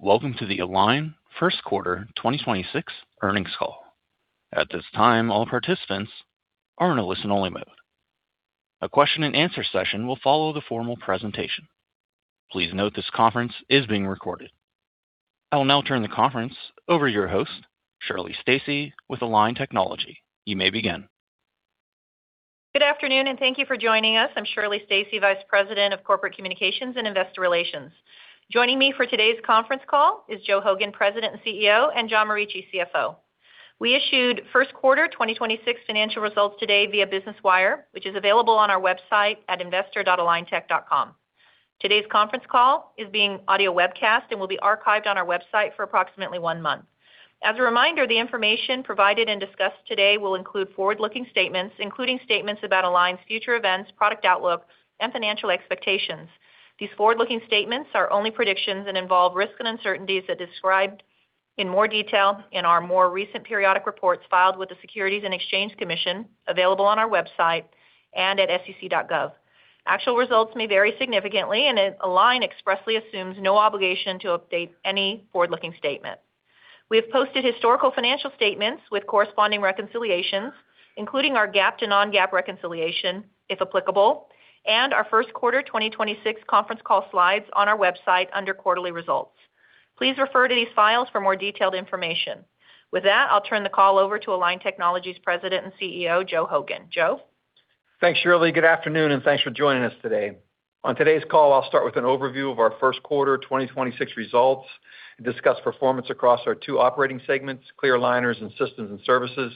Greetings. Welcome to the Align First Quarter 2026 earnings call. At this time, all participants are in listen-only mode. A question and answer session will follow the formal presentation. Please note this conference is being recorded. I will now turn the conference over to your host, Shirley Stacy with Align Technology. You may begin. Good afternoon, and thank you for joining us. I'm Shirley Stacy, Vice President of Corporate Communications and Investor Relations. Joining me for today's conference call is Joe Hogan, President and CEO, and John Morici, CFO. We issued first quarter 2026 financial results today via Business Wire, which is available on our website at investor.aligntech.com. Today's conference call is being audio webcast and will be archived on our website for approximately one month. As a reminder, the information provided and discussed today will include forward-looking statements, including statements about Align's future events, product outlook, and financial expectations. These forward-looking statements are only predictions and involve risks and uncertainties as described in more detail in our more recent periodic reports filed with the Securities and Exchange Commission, available on our website and at sec.gov. Actual results may vary significantly, and Align expressly assumes no obligation to update any forward-looking statement. We have posted historical financial statements with corresponding reconciliations, including our GAAP to non-GAAP reconciliation, if applicable, and our first quarter 2026 conference call slides on our website under quarterly results. Please refer to these files for more detailed information. With that, I'll turn the call over to Align Technology's President and CEO, Joe Hogan. Joe? Thanks, Shirley. Good afternoon, and thanks for joining us today. On today's call, I'll start with an overview of our first quarter 2026 results and discuss performance across our two operating segments, Clear Aligners and Systems and Services.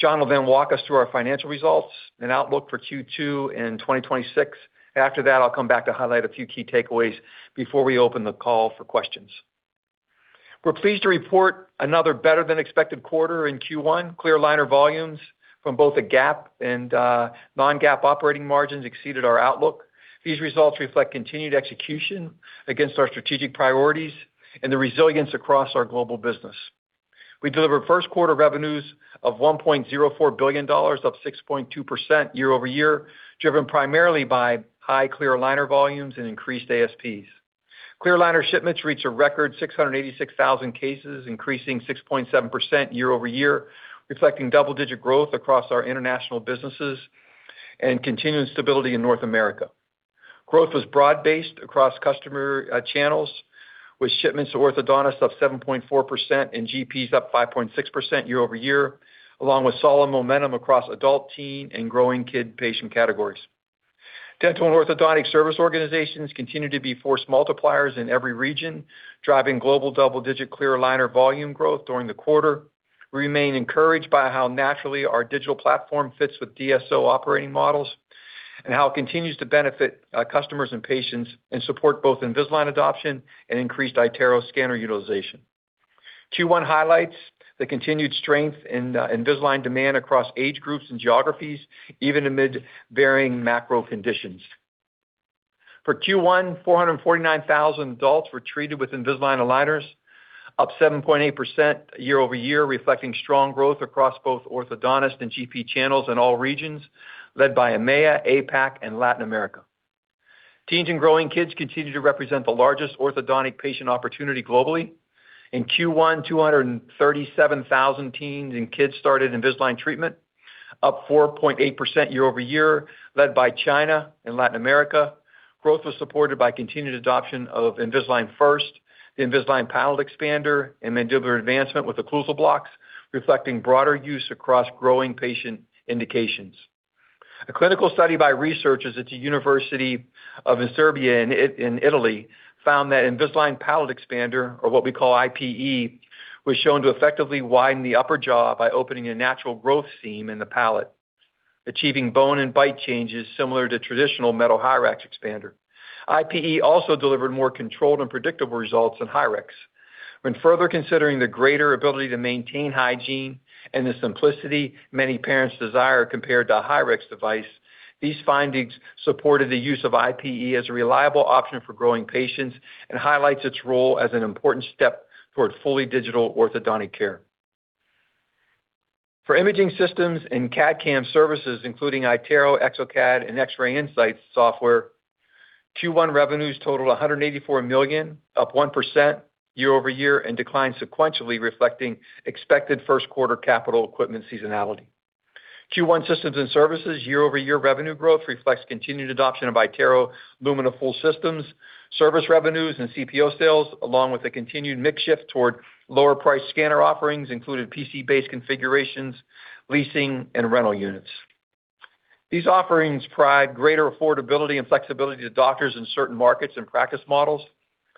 John will walk us through our financial results and outlook for Q2 2026. After that, I'll come back to highlight a few key takeaways before we open the call for questions. We're pleased to report another better-than-expected quarter in Q1. Clear Aligner volumes from both the GAAP and non-GAAP operating margins exceeded our outlook. These results reflect continued execution against our strategic priorities and the resilience across our global business. We delivered first quarter revenues of $1.04 billion, up 6.2% year-over-year, driven primarily by high Clear Aligner volumes and increased ASPs. Clear aligner shipments reached a record 686,000 cases, increasing 6.7% year-over-year, reflecting double-digit growth across our international businesses and continued stability in North America. Growth was broad-based across customer channels, with shipments to orthodontists up 7.4% and GPs up 5.6% year-over-year, along with solid momentum across adult, teen, and growing kid patient categories. Dental and orthodontic service organizations continue to be force multipliers in every region, driving global double-digit clear aligner volume growth during the quarter. We remain encouraged by how naturally our digital platform fits with DSO operating models and how it continues to benefit customers and patients and support both Invisalign adoption and increased iTero scanner utilization. Q1 highlights the continued strength in Invisalign demand across age groups and geographies, even amid varying macro conditions. For Q1, 449,000 adults were treated with Invisalign, up 7.8% year-over-year, reflecting strong growth across both orthodontist and GP channels in all regions, led by EMEA, APAC, and Latin America. Teens and growing kids continue to represent the largest orthodontic patient opportunity globally. In Q1, 237,000 teens and kids started Invisalign, up 4.8% year-over-year, led by China and Latin America. Growth was supported by continued adoption of Invisalign First, the Invisalign Palatal Expander, and Mandibular Advancement with Occlusal Blocks, reflecting broader use across growing patient indications. A clinical study by researchers at the University of Insubria in Italy found that Invisalign Palatal Expander, or what we call IPE, was shown to effectively widen the upper jaw by opening a natural growth seam in the palate, achieving bone and bite changes similar to traditional metal Hyrax expander. IPE also delivered more controlled and predictable results than Hyrax. When further considering the greater ability to maintain hygiene and the simplicity many parents desire compared to a Hyrax device, these findings supported the use of IPE as a reliable option for growing patients and highlights its role as an important step toward fully digital orthodontic care. For imaging systems and CAD/CAM services, including iTero, exocad, and X-ray Insights software, Q1 revenues totaled $184 million, up 1% year-over-year and declined sequentially, reflecting expected first quarter capital equipment seasonality. Q1 systems and services year-over-year revenue growth reflects continued adoption of iTero Lumina full systems, service revenues and CPO sales, along with a continued mix shift toward lower-priced scanner offerings, including PC-based configurations, leasing, and rental units. These offerings provide greater affordability and flexibility to doctors in certain markets and practice models.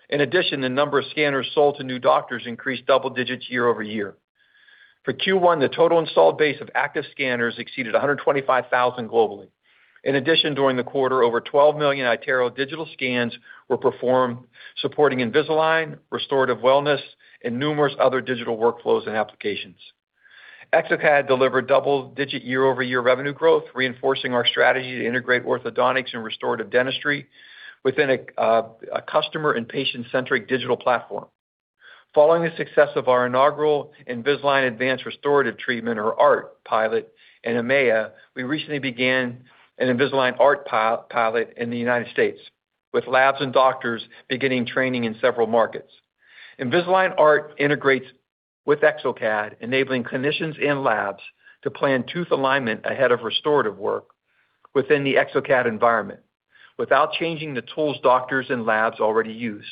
In addition, the number of scanners sold to new doctors increased double-digits year-over-year. For Q1, the total installed base of active scanners exceeded 125,000 globally. In addition, during the quarter, over 12 million iTero digital scans were performed supporting Invisalign, restorative wellness, and numerous other digital workflows and applications. Exocad delivered double-digit year-over-year revenue growth, reinforcing our strategy to integrate orthodontics and restorative dentistry within a customer and patient-centric digital platform. Following the success of our inaugural Invisalign Advanced Restorative Treatment or ART pilot in EMEA, we recently began an Invisalign ART pilot in the U.S., with labs and doctors beginning training in several markets. Invisalign ART integrates with exocad, enabling clinicians and labs to plan tooth alignment ahead of restorative work within the exocad environment without changing the tools doctors and labs already use.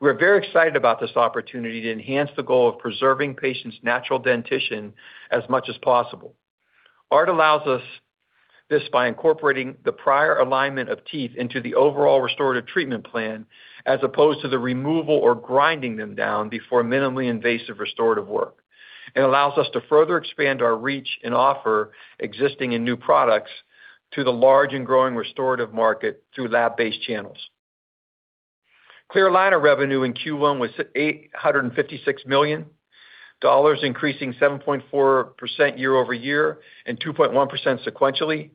We're very excited about this opportunity to enhance the goal of preserving patients' natural dentition as much as possible. ART allows us this by incorporating the prior alignment of teeth into the overall restorative treatment plan, as opposed to the removal or grinding them down before minimally invasive restorative work. It allows us to further expand our reach and offer existing and new products to the large and growing restorative market through lab-based channels. Clear aligner revenue in Q1 was $856 million, increasing 7.4% year-over-year and 2.1% sequentially.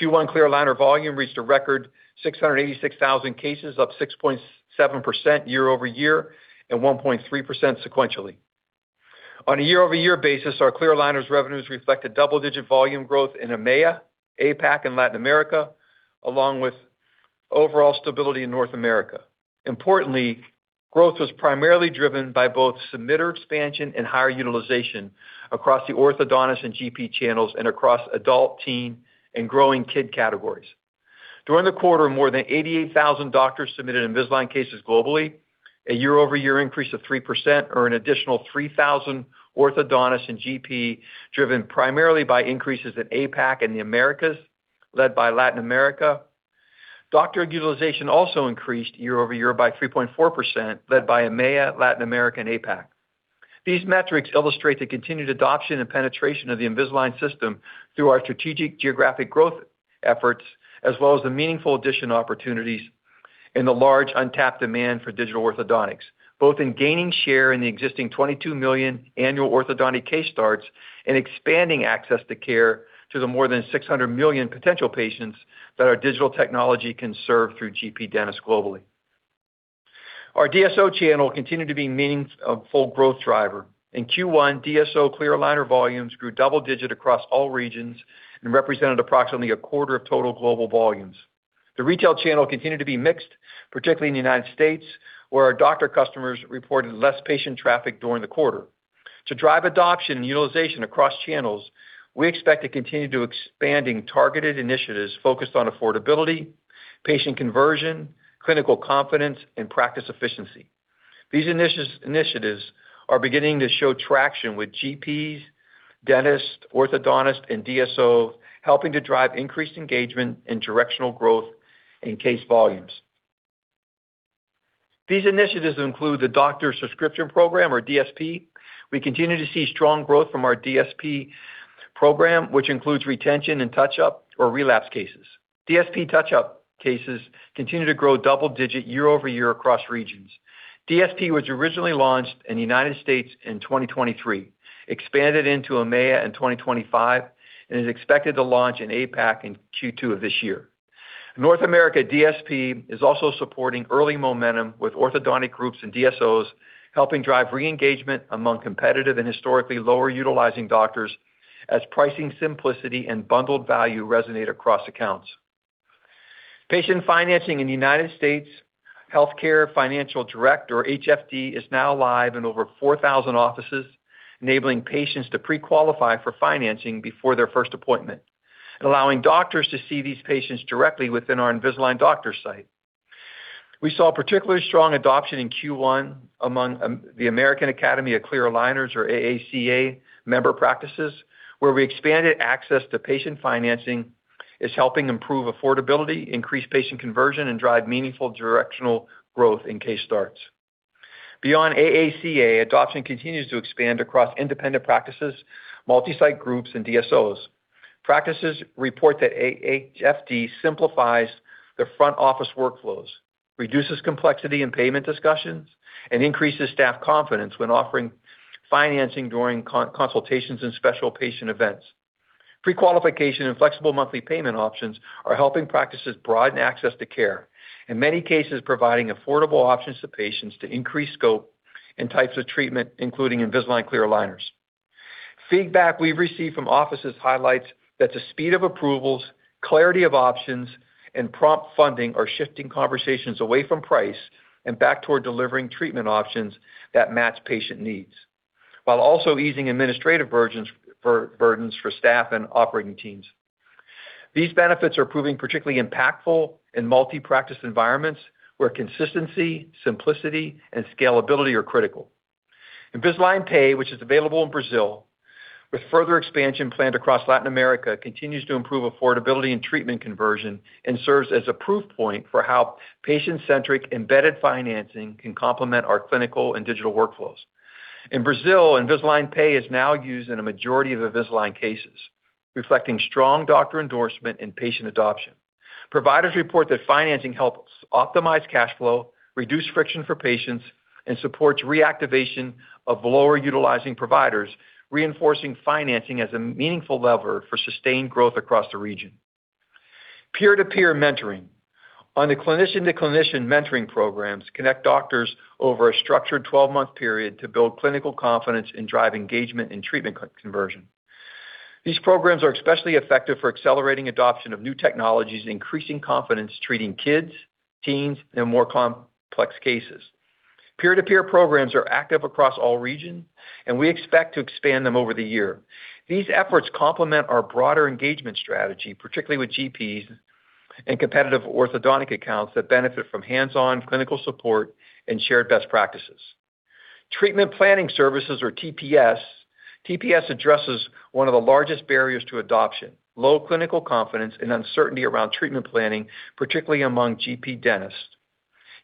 Q1 clear aligner volume reached a record 686,000 cases, up 6.7% year-over-year and 1.3% sequentially. On a year-over-year basis, our clear aligners revenues reflect a double-digit volume growth in EMEA, APAC, and Latin America, along with overall stability in North America. Importantly, growth was primarily driven by both submitter expansion and higher utilization across the orthodontist and GP channels and across adult, teen, and growing kid categories. During the quarter, more than 88,000 doctors submitted Invisalign cases globally, a year-over-year increase of 3% or an additional 3,000 orthodontists and GP, driven primarily by increases in APAC and the Americas, led by Latin America. Doctor utilization also increased year-over-year by 3.4%, led by EMEA, Latin America, and APAC. These metrics illustrate the continued adoption and penetration of the Invisalign system through our strategic geographic growth efforts, as well as the meaningful addition opportunities in the large untapped demand for digital orthodontics, both in gaining share in the existing 22 million annual orthodontic case starts and expanding access to care to the more than 600 million potential patients that our digital technology can serve through GP dentists globally. Our DSO channel continued to be meaningful growth driver. In Q1, DSO clear aligner volumes grew double-digit across all regions and represented approximately a quarter of total global volumes. The retail channel continued to be mixed, particularly in the U.S., where our doctor customers reported less patient traffic during the quarter. To drive adoption and utilization across channels, we expect to continue to expanding targeted initiatives focused on affordability, patient conversion, clinical confidence, and practice efficiency. These initiatives are beginning to show traction with GPs, dentists, orthodontists, and DSOs, helping to drive increased engagement and directional growth in case volumes. These initiatives include the Doctor Subscription Program or DSP. We continue to see strong growth from our DSP program, which includes retention and touch-up or relapse cases. DSP touch-up cases continue to grow double-digit year-over-year across regions. DSP was originally launched in the United States in 2023, expanded into EMEA in 2025, and is expected to launch in APAC in Q2 of this year. North America DSP is also supporting early momentum with orthodontic groups and DSOs, helping drive re-engagement among competitive and historically lower-utilizing doctors as pricing simplicity and bundled value resonate across accounts. Patient financing in the United States Healthcare Finance Direct or HFD is now live in over 4,000 offices, enabling patients to pre-qualify for financing before their first appointment and allowing doctors to see these patients directly within our Invisalign doctor site. We saw particularly strong adoption in Q1 among the American Academy of Clear Aligners, or AACA, member practices, where we expanded access to patient financing is helping improve affordability, increase patient conversion, and drive meaningful directional growth in case starts. Beyond AACA, adoption continues to expand across independent practices, multi-site groups, and DSOs. Practices report that HFD simplifies the front office workflows, reduces complexity in payment discussions, and increases staff confidence when offering financing during consultations and special patient events. Prequalification and flexible monthly payment options are helping practices broaden access to care, in many cases, providing affordable options to patients to increase scope and types of treatment, including Invisalign clear aligners. Feedback we've received from offices highlights that the speed of approvals, clarity of options, and prompt funding are shifting conversations away from price and back toward delivering treatment options that match patient needs, while also easing administrative burdens for staff and operating teams. These benefits are proving particularly impactful in multi-practice environments where consistency, simplicity, and scalability are critical. Invisalign Pay, which is available in Brazil with further expansion planned across Latin America, continues to improve affordability and treatment conversion and serves as a proof point for how patient-centric embedded financing can complement our clinical and digital workflows. In Brazil, Invisalign Pay is now used in a majority of Invisalign cases, reflecting strong doctor endorsement and patient adoption. Providers report that financing helps optimize cash flow, reduce friction for patients, and supports reactivation of lower-utilizing providers, reinforcing financing as a meaningful lever for sustained growth across the region. Peer-to-peer mentoring on the clinician-to-clinician mentoring programs connect doctors over a structured 12-month period to build clinical confidence and drive engagement in treatment conversion. These programs are especially effective for accelerating adoption of new technologies and increasing confidence treating kids, teens, and more complex cases. Peer-to-peer programs are active across all regions, and we expect to expand them over the year. These efforts complement our broader engagement strategy, particularly with GPs and competitive orthodontic accounts that benefit from hands-on clinical support and shared best practices. Treatment planning services or TPS. TPS addresses one of the largest barriers to adoption, low clinical confidence and uncertainty around treatment planning, particularly among GP dentists.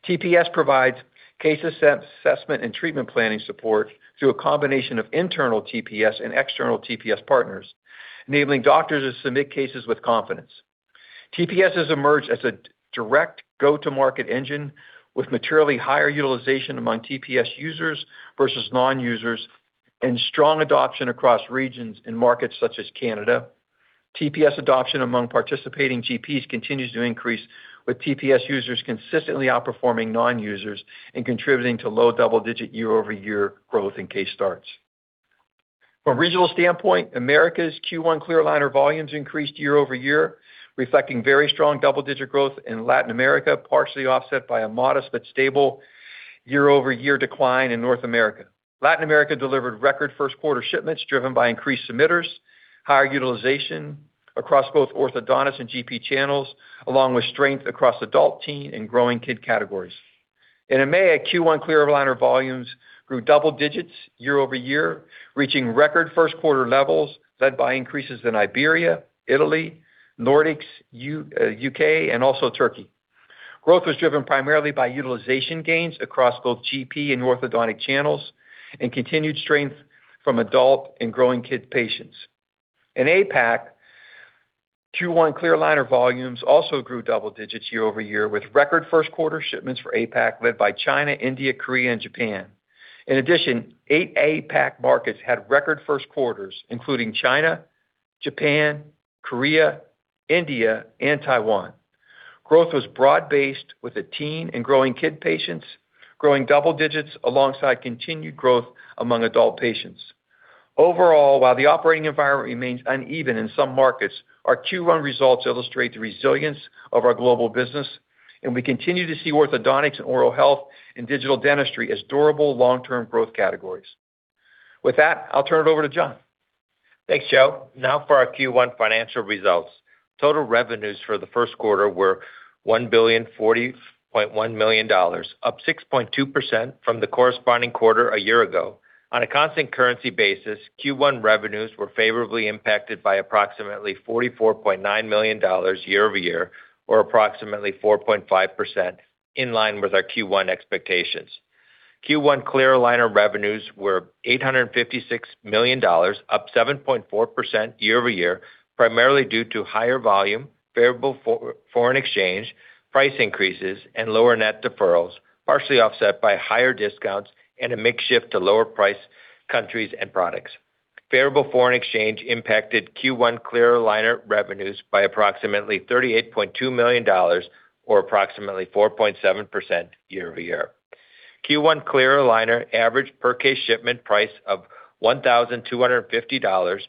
TPS provides case assessment and treatment planning support through a combination of internal TPS and external TPS partners, enabling doctors to submit cases with confidence. TPS has emerged as a direct go-to-market engine with materially higher utilization among TPS users versus non-users and strong adoption across regions in markets such as Canada. TPS adoption among participating GPs continues to increase, with TPS users consistently outperforming non-users and contributing to low double-digit year-over-year growth in case starts. From a regional standpoint, America's Q1 clear aligner volumes increased year-over-year, reflecting very strong double-digit growth in Latin America, partially offset by a modest but stable year-over-year decline in North America. Latin America delivered record first quarter shipments driven by increased submitters, higher utilization across both orthodontist and GP channels, along with strength across adult, teen, and growing kid categories. In EMEA, Q1 clear aligner volumes grew double digits year-over-year, reaching record first quarter levels led by increases in Iberia, Italy, Nordics, U.K., and also Turkey. Growth was driven primarily by utilization gains across both GP and orthodontic channels and continued strength from adult and growing kid patients. In APAC, Q1 clear aligner volumes also grew double digits year-over-year, with record first quarter shipments for APAC led by China, India, Korea, and Japan. In addition, eight APAC markets had record first quarters, including China, Japan, Korea, India, and Taiwan. Growth was broad-based with the teen and growing kid patients, growing double digits alongside continued growth among adult patients. Overall, while the operating environment remains uneven in some markets, our Q1 results illustrate the resilience of our global business, and we continue to see orthodontics and oral health and digital dentistry as durable long-term growth categories. With that, I'll turn it over to John. Thanks, Joe. Now for our Q1 financial results. Total revenues for the first quarter were $1,040.1 million, up 6.2% from the corresponding quarter a year ago. On a constant currency basis, Q1 revenues were favorably impacted by approximately $44.9 million year-over-year, or approximately 4.5%, in line with our Q1 expectations. Q1 clear aligner revenues were $856 million, up 7.4% year-over-year, primarily due to higher volume, favorable foreign exchange, price increases, and lower net deferrals, partially offset by higher discounts and a mix shift to lower-price countries and products. Favorable foreign exchange impacted Q1 clear aligner revenues by approximately $38.2 million or approximately 4.7% year-over-year. Q1 clear aligner average per case shipment price of $1,250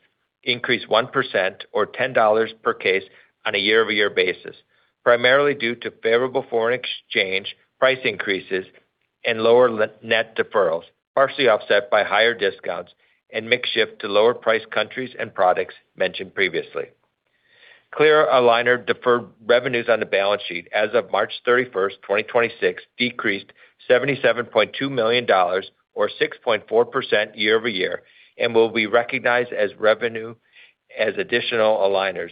increased 1% or $10 per case on a year-over-year basis, primarily due to favorable foreign exchange, price increases, and lower net deferrals, partially offset by higher discounts and mix shift to lower price countries and products mentioned previously. Clear aligner deferred revenues on the balance sheet as of March 31, 2026, decreased $77.2 million or 6.4% year-over-year and will be recognized as revenue as additional aligners,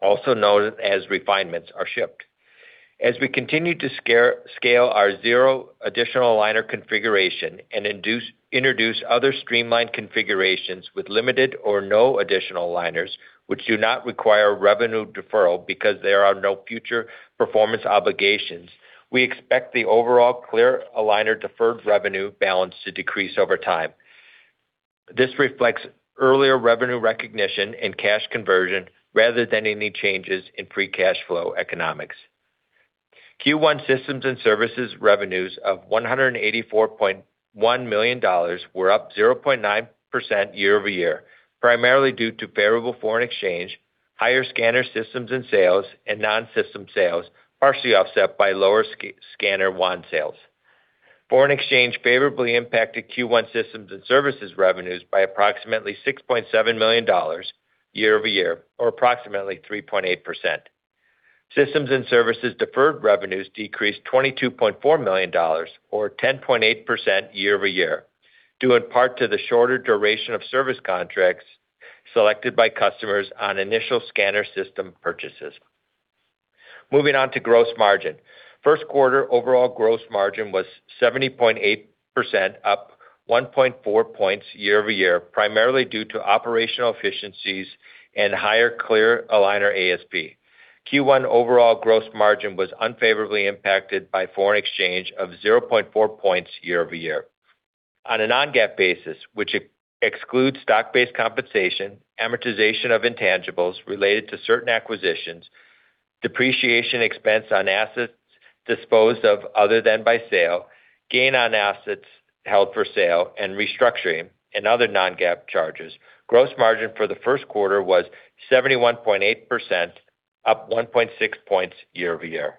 also known as refinements, are shipped. As we continue to scale our zero additional aligner configuration and introduce other streamlined configurations with limited or no additional aligners, which do not require revenue deferral because there are no future performance obligations, we expect the overall clear aligner deferred revenue balance to decrease over time. This reflects earlier revenue recognition and cash conversion rather than any changes in free cash flow economics. Q1 systems and services revenues of $184.1 million were up 0.9% year-over-year, primarily due to favorable foreign exchange, higher scanner systems and sales, and non-system sales, partially offset by lower scanner wand sales. Foreign exchange favorably impacted Q1 systems and services revenues by approximately $6.7 million year-over-year or approximately 3.8%. Systems and services deferred revenues decreased $22.4 million or 10.8% year-over-year, due in part to the shorter duration of service contracts selected by customers on initial scanner system purchases. Moving on to gross margin. First quarter overall gross margin was 70.8%, up 1.4 points year-over-year, primarily due to operational efficiencies and higher clear aligner ASP. Q1 overall gross margin was unfavorably impacted by foreign exchange of 0.4 points year-over-year. On a non-GAAP basis, which excludes stock-based compensation, amortization of intangibles related to certain acquisitions, depreciation expense on assets disposed of other than by sale, gain on assets held for sale and restructuring, and other non-GAAP charges, gross margin for the first quarter was 71.8%, up 1.6 points year-over-year.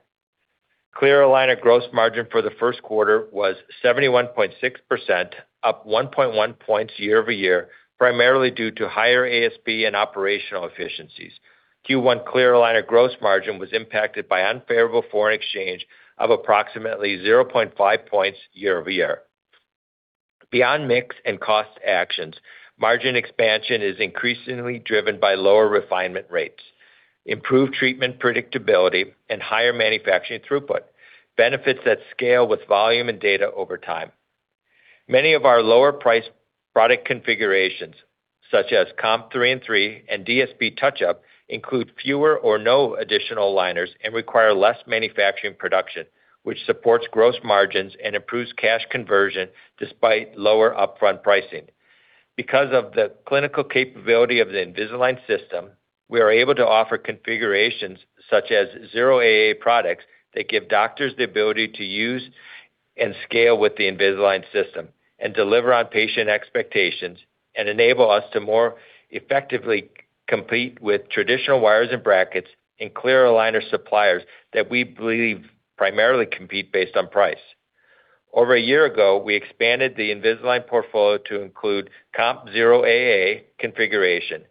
Clear aligner gross margin for the first quarter was 71.6%, up 1.1 points year-over-year, primarily due to higher ASP and operational efficiencies. Q1 clear aligner gross margin was impacted by unfavorable foreign exchange of approximately 0.5 points year-over-year. Beyond mix and cost actions, margin expansion is increasingly driven by lower refinement rates, improved treatment predictability, and higher manufacturing throughput, benefits that scale with volume and data over time. Many of our lower-priced product configurations, such as Comp 3in3 and DSP Touch-Up, include fewer or no additional aligners and require less manufacturing production, which supports gross margins and improves cash conversion despite lower upfront pricing. Because of the clinical capability of the Invisalign system, we are able to offer configurations such as zero AA products that give doctors the ability to use and scale with the Invisalign system and deliver on patient expectations and enable us to more effectively compete with traditional wires and brackets and clear aligner suppliers that we believe primarily compete based on price. Over a year ago, we expanded the Invisalign portfolio to include Comp zero AA configuration,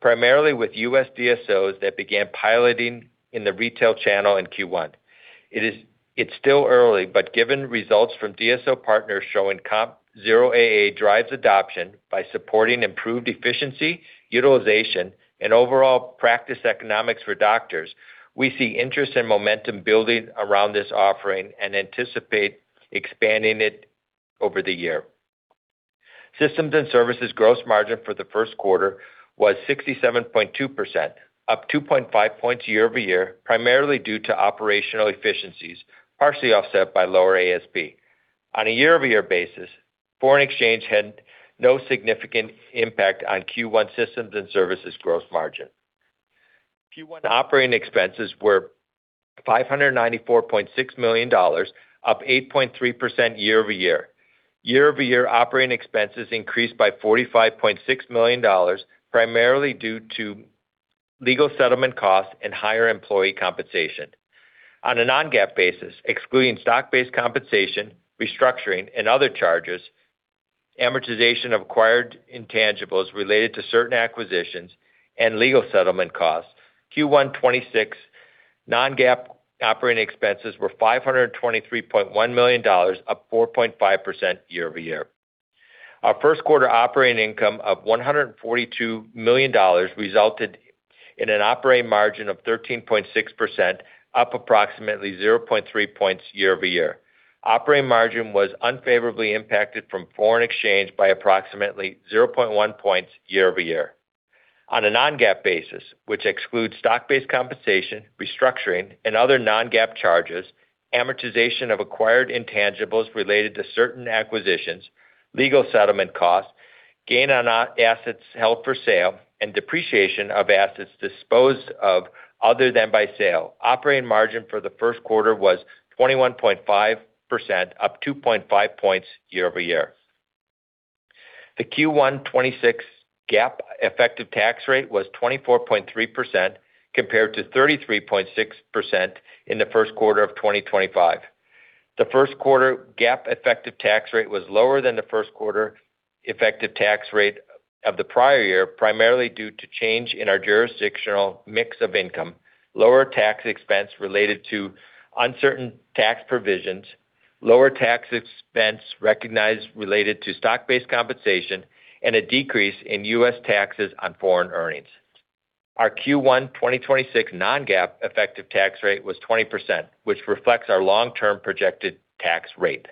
primarily with U.S. DSOs that began piloting in the retail channel in Q1. It's still early, but given results from DSO partners showing Comp zero AA drives adoption by supporting improved efficiency, utilization, and overall practice economics for doctors, we see interest and momentum building around this offering and anticipate expanding it over the year. Systems and services gross margin for the first quarter was 67.2%, up 2.5 points year-over-year, primarily due to operational efficiencies, partially offset by lower ASP. On a year-over-year basis, foreign exchange had no significant impact on Q1 systems and services gross margin. Q1 operating expenses were $594.6 million, up 8.3% year-over-year. Year-over-year, operating expenses increased by $45.6 million, primarily due to legal settlement costs and higher employee compensation. On a non-GAAP basis, excluding stock-based compensation, restructuring, and other charges, amortization of acquired intangibles related to certain acquisitions, and legal settlement costs, Q1 2026 non-GAAP operating expenses were $523.1 million, up 4.5% year-over-year. Our first quarter operating income of $142 million resulted in an operating margin of 13.6%, up approximately 0.3 points year-over-year. Operating margin was unfavorably impacted from foreign exchange by approximately 0.1 points year-over-year. On a non-GAAP basis, which excludes stock-based compensation, restructuring, and other non-GAAP charges, amortization of acquired intangibles related to certain acquisitions, legal settlement costs, gain on assets held for sale, and depreciation of assets disposed of other than by sale, operating margin for the first quarter was 21.5%, up 2.5 points year-over-year. The Q1 2026 GAAP effective tax rate was 24.3% compared to 33.6% in the first quarter of 2025. The first quarter GAAP effective tax rate was lower than the first quarter effective tax rate of the prior year, primarily due to change in our jurisdictional mix of income, lower tax expense related to uncertain tax provisions, lower tax expense recognized related to stock-based compensation, and a decrease in U.S. taxes on foreign earnings. Our Q1 2026 non-GAAP effective tax rate was 20%, which reflects our long-term projected tax rate.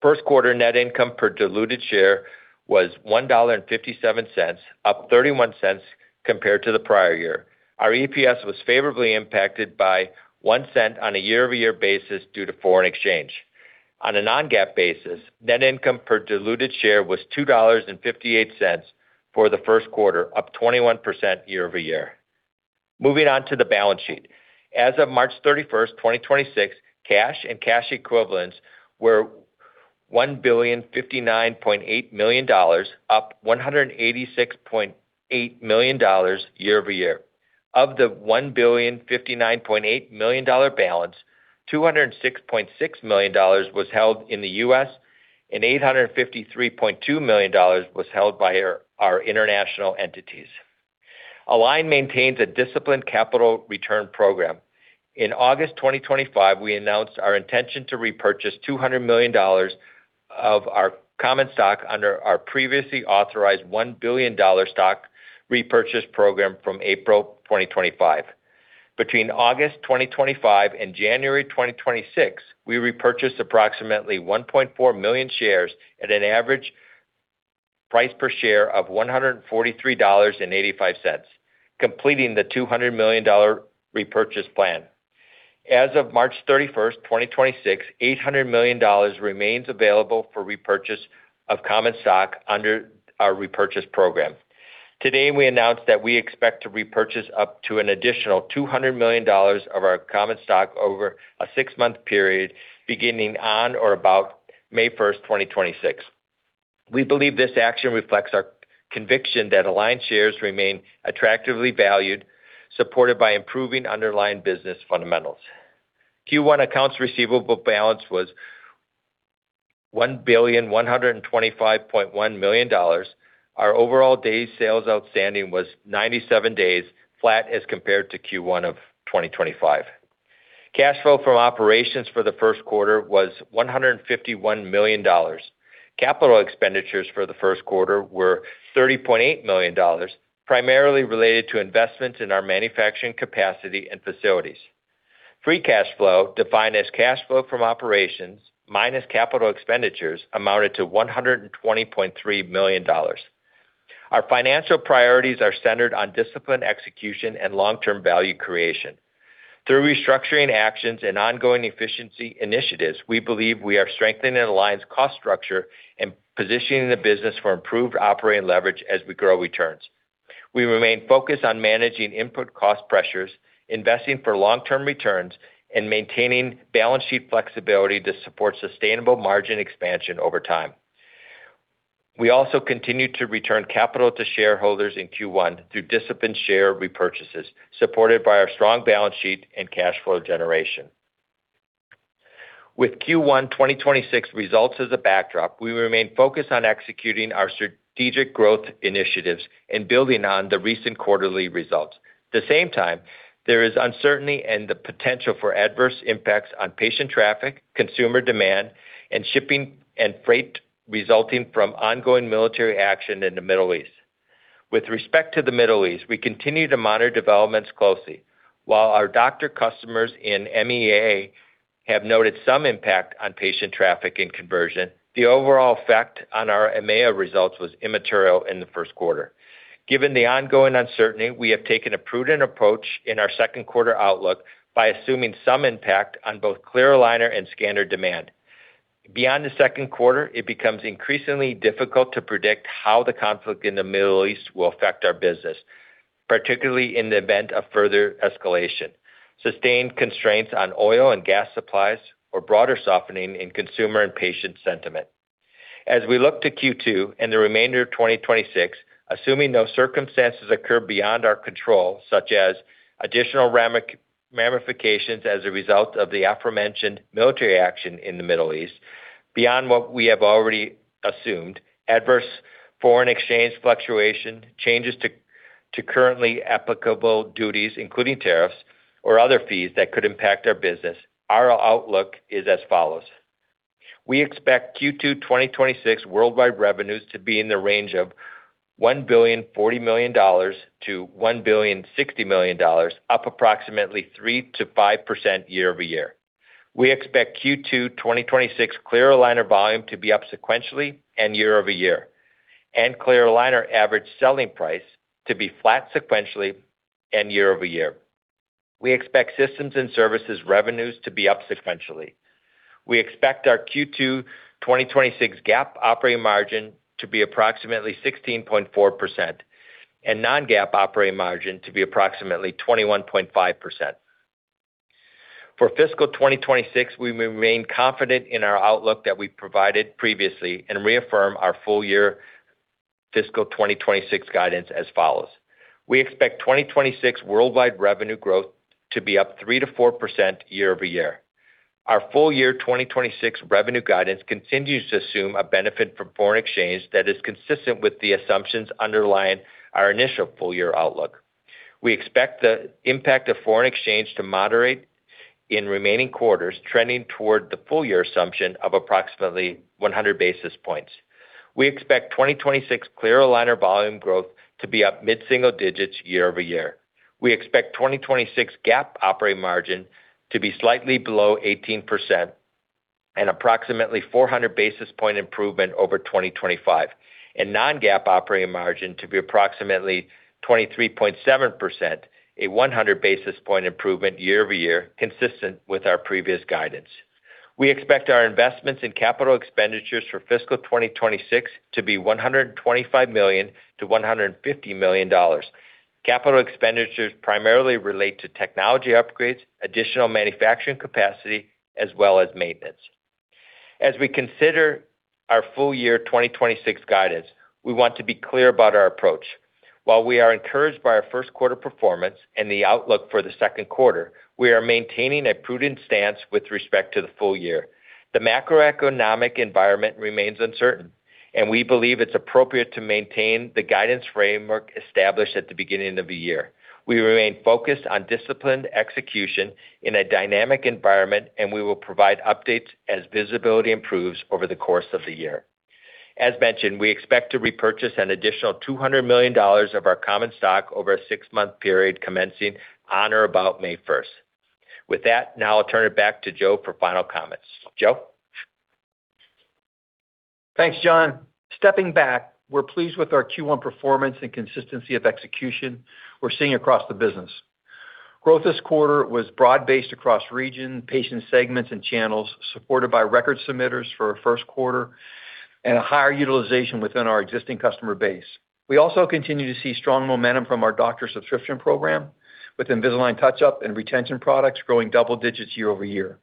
First quarter net income per diluted share was $1.57, up $0.31 compared to the prior year. Our EPS was favorably impacted by $0.01 on a year-over-year basis due to foreign exchange. On a non-GAAP basis, net income per diluted share was $2.58 for the first quarter, up 21% year-over-year. Moving on to the balance sheet. As of March 31, 2026, cash and cash equivalents were $1,059.8 million, up $186.8 million year-over-year. Of the $1,059.8 million balance, $206.6 million was held in the U.S., and $853.2 million was held by our international entities. Align maintains a disciplined capital return program. In August 2025, we announced our intention to repurchase $200 million of our common stock under our previously authorized $1 billion stock repurchase program from April 2025. Between August 2025 and January 2026, we repurchased approximately 1.4 million shares at an average price per share of $143.85, completing the $200 million repurchase plan. As of March 31st, 2026, $800 million remains available for repurchase of common stock under our repurchase program. Today, we announced that we expect to repurchase up to an additional $200 million of our common stock over a six-month period beginning on or about May 1, 2026. We believe this action reflects our conviction that Align shares remain attractively valued, supported by improving underlying business fundamentals. Q1 accounts receivable balance was $1,125.1 million. Our overall days sales outstanding was 97 days, flat as compared to Q1 of 2025. Cash flow from operations for the first quarter was $151 million. Capital expenditures for the first quarter were $30.8 million, primarily related to investments in our manufacturing capacity and facilities. Free cash flow, defined as cash flow from operations minus capital expenditures, amounted to $120.3 million. Our financial priorities are centered on disciplined execution and long-term value creation. Through restructuring actions and ongoing efficiency initiatives, we believe we are strengthening Align's cost structure and positioning the business for improved operating leverage as we grow returns. We remain focused on managing input cost pressures, investing for long-term returns, and maintaining balance sheet flexibility to support sustainable margin expansion over time. We also continued to return capital to shareholders in Q1 through disciplined share repurchases, supported by our strong balance sheet and cash flow generation. With Q1 2026 results as a backdrop, we remain focused on executing our strategic growth initiatives and building on the recent quarterly results. At the same time, there is uncertainty and the potential for adverse impacts on patient traffic, consumer demand, and shipping and freight resulting from ongoing military action in the Middle East. With respect to the Middle East, we continue to monitor developments closely. While our doctor customers in MEA have noted some impact on patient traffic and conversion, the overall effect on our EMEA results was immaterial in the first quarter. Given the ongoing uncertainty, we have taken a prudent approach in our second quarter outlook by assuming some impact on both clear aligner and scanner demand. Beyond the second quarter, it becomes increasingly difficult to predict how the conflict in the Middle East will affect our business, particularly in the event of further escalation, sustained constraints on oil and gas supplies, or broader softening in consumer and patient sentiment. As we look to Q2 and the remainder of 2026, assuming no circumstances occur beyond our control, such as additional ramifications as a result of the aforementioned military action in the Middle East, beyond what we have already assumed, adverse foreign exchange fluctuation, changes to currently applicable duties, including tariffs or other fees that could impact our business, our outlook is as follows. We expect Q2 2026 worldwide revenues to be in the range of $1.04 billion-$1.06 billion, up approximately 3%-5% year-over-year. We expect Q2 2026 clear aligner volume to be up sequentially and year-over-year, and clear aligner average selling price to be flat sequentially and year-over-year. We expect systems and services revenues to be up sequentially. We expect our Q2 2026 GAAP operating margin to be approximately 16.4% and non-GAAP operating margin to be approximately 21.5%. For fiscal 2026, we remain confident in our outlook that we provided previously and reaffirm our full year fiscal 2026 guidance as follows. We expect 2026 worldwide revenue growth to be up 3%-4% year-over-year. Our full year 2026 revenue guidance continues to assume a benefit from foreign exchange that is consistent with the assumptions underlying our initial full year outlook. We expect the impact of foreign exchange to moderate in remaining quarters, trending toward the full year assumption of approximately 100 basis points. We expect 2026 clear aligner volume growth to be up mid-single digits year-over-year. We expect 2026 GAAP operating margin to be slightly below 18% and approximately 400 basis point improvement over 2025, and non-GAAP operating margin to be approximately 23.7%, a 100 basis point improvement year-over-year, consistent with our previous guidance. We expect our investments in capital expenditures for fiscal 2026 to be $125 million-$150 million. Capital expenditures primarily relate to technology upgrades, additional manufacturing capacity, as well as maintenance. As we consider our full year 2026 guidance, we want to be clear about our approach. While we are encouraged by our first quarter performance and the outlook for the second quarter, we are maintaining a prudent stance with respect to the full year. The macroeconomic environment remains uncertain. We believe it's appropriate to maintain the guidance framework established at the beginning of the year. We remain focused on disciplined execution in a dynamic environment, and we will provide updates as visibility improves over the course of the year. As mentioned, we expect to repurchase an additional $200 million of our common stock over a six-month period commencing on or about May first. With that, now I'll turn it back to Joe for final comments. Joe? Thanks, John. Stepping back, we're pleased with our Q1 performance and consistency of execution we're seeing across the business. Growth this quarter was broad-based across region, patient segments, and channels, supported by record submitters for our first quarter and a higher utilization within our existing customer base. We also continue to see strong momentum from our Doctor Subscription Program, with Invisalign touch-up and retention products growing double-digits year-over-year.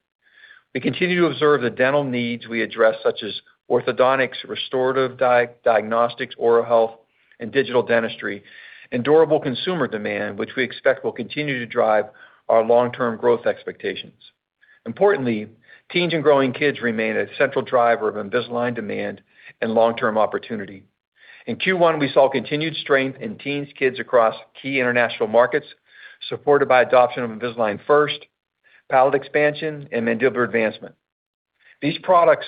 We continue to observe the dental needs we address, such as orthodontics, restorative diagnostics, oral health, and digital dentistry, and durable consumer demand, which we expect will continue to drive our long-term growth expectations. Importantly, teens and growing kids remain a central driver of Invisalign demand and long-term opportunity. In Q1, we saw continued strength in teens, kids across key international markets, supported by adoption of Invisalign First, palate expansion, and mandibular advancement. These products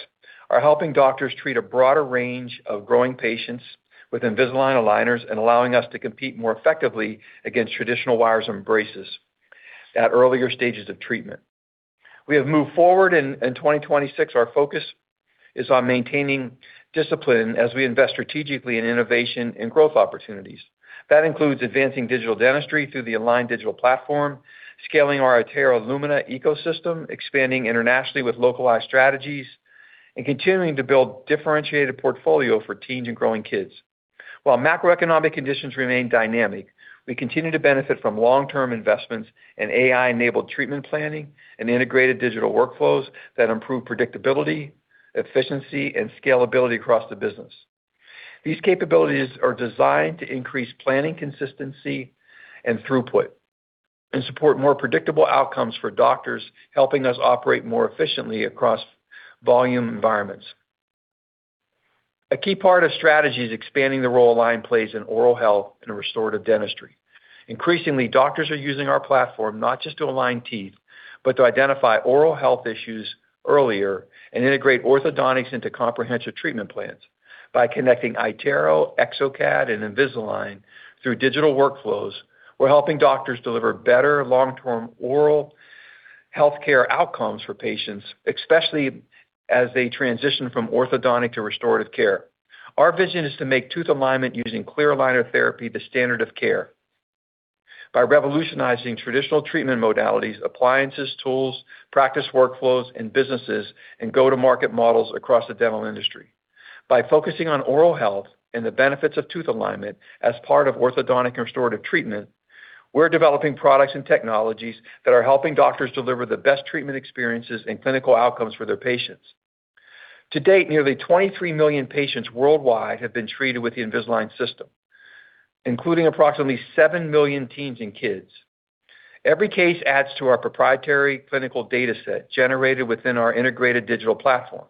are helping doctors treat a broader range of growing patients with Invisalign aligners and allowing us to compete more effectively against traditional wires and braces at earlier stages of treatment. We have moved forward in 2026, our focus is on maintaining discipline as we invest strategically in innovation and growth opportunities. That includes advancing digital dentistry through the Align Digital Platform, scaling our iTero Lumina ecosystem, expanding internationally with localized strategies, and continuing to build differentiated portfolio for teens and growing kids. While macroeconomic conditions remain dynamic, we continue to benefit from long-term investments in AI-enabled treatment planning and integrated digital workflows that improve predictability, efficiency, and scalability across the business. These capabilities are designed to increase planning consistency and throughput and support more predictable outcomes for doctors, helping us operate more efficiently across volume environments. A key part of strategy is expanding the role Align plays in oral health and restorative dentistry. Increasingly, doctors are using our platform not just to align teeth, but to identify oral health issues earlier and integrate orthodontics into comprehensive treatment plans. By connecting iTero, exocad, and Invisalign through digital workflows, we're helping doctors deliver better long-term oral healthcare outcomes for patients, especially as they transition from orthodontic to restorative care. Our vision is to make tooth alignment using clear aligner therapy the standard of care by revolutionizing traditional treatment modalities, appliances, tools, practice workflows, and businesses, and go-to-market models across the dental industry. By focusing on oral health and the benefits of tooth alignment as part of orthodontic restorative treatment, we're developing products and technologies that are helping doctors deliver the best treatment experiences and clinical outcomes for their patients. To date, nearly 23 million patients worldwide have been treated with the Invisalign system, including approximately 7 million teens and kids. Every case adds to our proprietary clinical dataset generated within our integrated Align Digital Platform.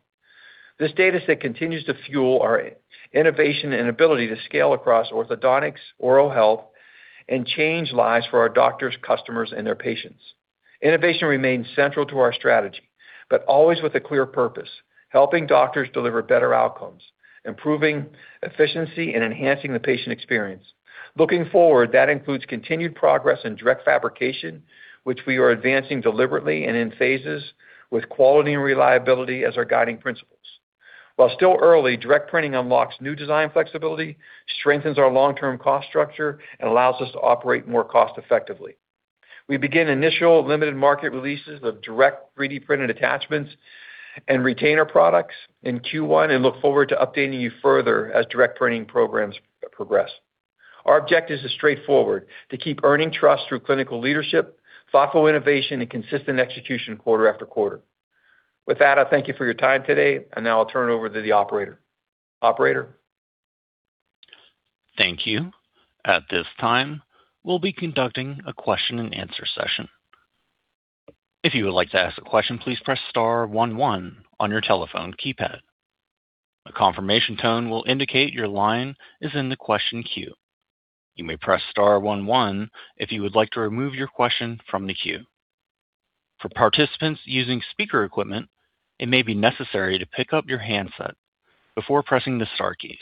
This dataset continues to fuel our innovation and ability to scale across orthodontics, oral health, and change lives for our doctors, customers, and their patients. Innovation remains central to our strategy, but always with a clear purpose, helping doctors deliver better outcomes, improving efficiency, and enhancing the patient experience. Looking forward, that includes continued progress in direct fabrication, which we are advancing deliberately and in phases with quality and reliability as our guiding principles. While still early, direct printing unlocks new design flexibility, strengthens our long-term cost structure, and allows us to operate more cost-effectively. We begin initial limited market releases of direct 3D-printed attachments and retainer products in Q1 and look forward to updating you further as direct printing programs progress. Our objectives are straightforward: to keep earning trust through clinical leadership, thoughtful innovation, and consistent execution quarter after quarter. With that, I thank you for your time today, and now I'll turn it over to the operator. Operator? Thank you. At this time, we'll be conducting a question-and-answer session. If you would like to ask a question, please press star one one on your telephone keypad. A confirmation tone will indicate your line is in the question queue. You may press star one one if you would like to remove your question from the queue. For participants using speaker equipment, it may be necessary to pick up your handset before pressing the star keys.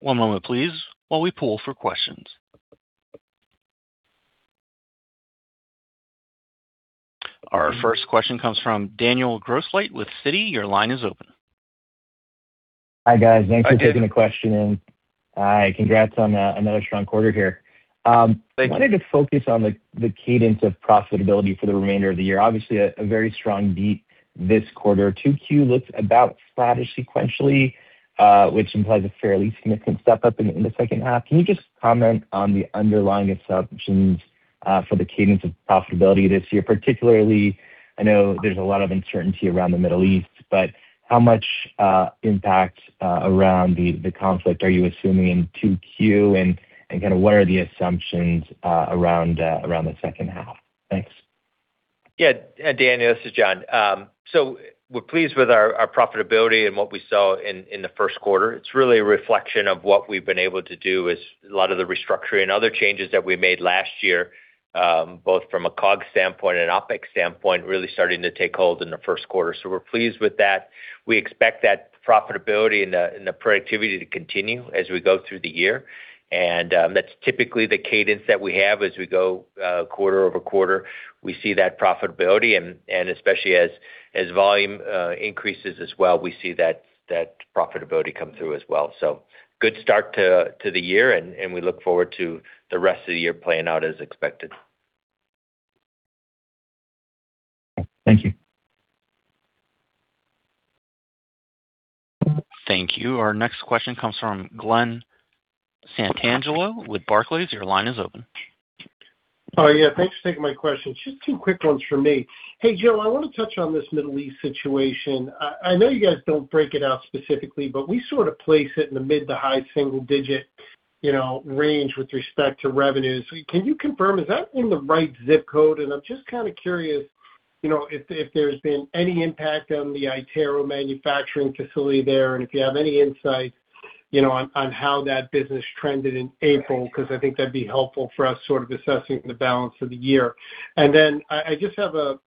One moment, please, while we poll for questions. Our first question comes from Daniel Grosslight with Citi. Your line is open. Hi, guys. Hi, Daniel. Thanks for taking the question in. Hi, congrats on another strong quarter here. Thank you. I wanted to focus on the cadence of profitability for the remainder of the year. Obviously a very strong beat this quarter. 2Q looks about flattish sequentially, which implies a fairly significant step up in the second half. Can you just comment on the underlying assumptions for the cadence of profitability this year? Particularly, I know there's a lot of uncertainty around the Middle East, but how much impact around the conflict are you assuming in 2Q? Kind of what are the assumptions around the second half? Thanks. Yeah, Daniel, this is John. We're pleased with our profitability and what we saw in the first quarter. It's really a reflection of what we've been able to do with a lot of the restructuring and other changes that we made last year. Both from a COGS standpoint and an OpEx standpoint really starting to take hold in the first quarter. We're pleased with that. We expect that profitability and the productivity to continue as we go through the year. That's typically the cadence that we have as we go quarter-over-quarter. We see that profitability and especially as volume increases as well, we see that profitability come through as well. Good start to the year, and we look forward to the rest of the year playing out as expected. Thank you. Thank you. Our next question comes from Glen Santangelo with Barclays. Your line is open. Yeah, thanks for taking my question. Just two quick ones from me. Hey, Joe, I want to touch on this Middle East situation. I know you guys don't break it out specifically, but we sort of place it in the mid to high single digit, you know, range with respect to revenues. Can you confirm, is that in the right zip code? I'm just kind of curious, you know, if there's been any impact on the iTero manufacturing facility there, and if you have any insight, you know, on how that business trended in April, because I think that would be helpful for us sort of assessing the balance of the year. Then I just have a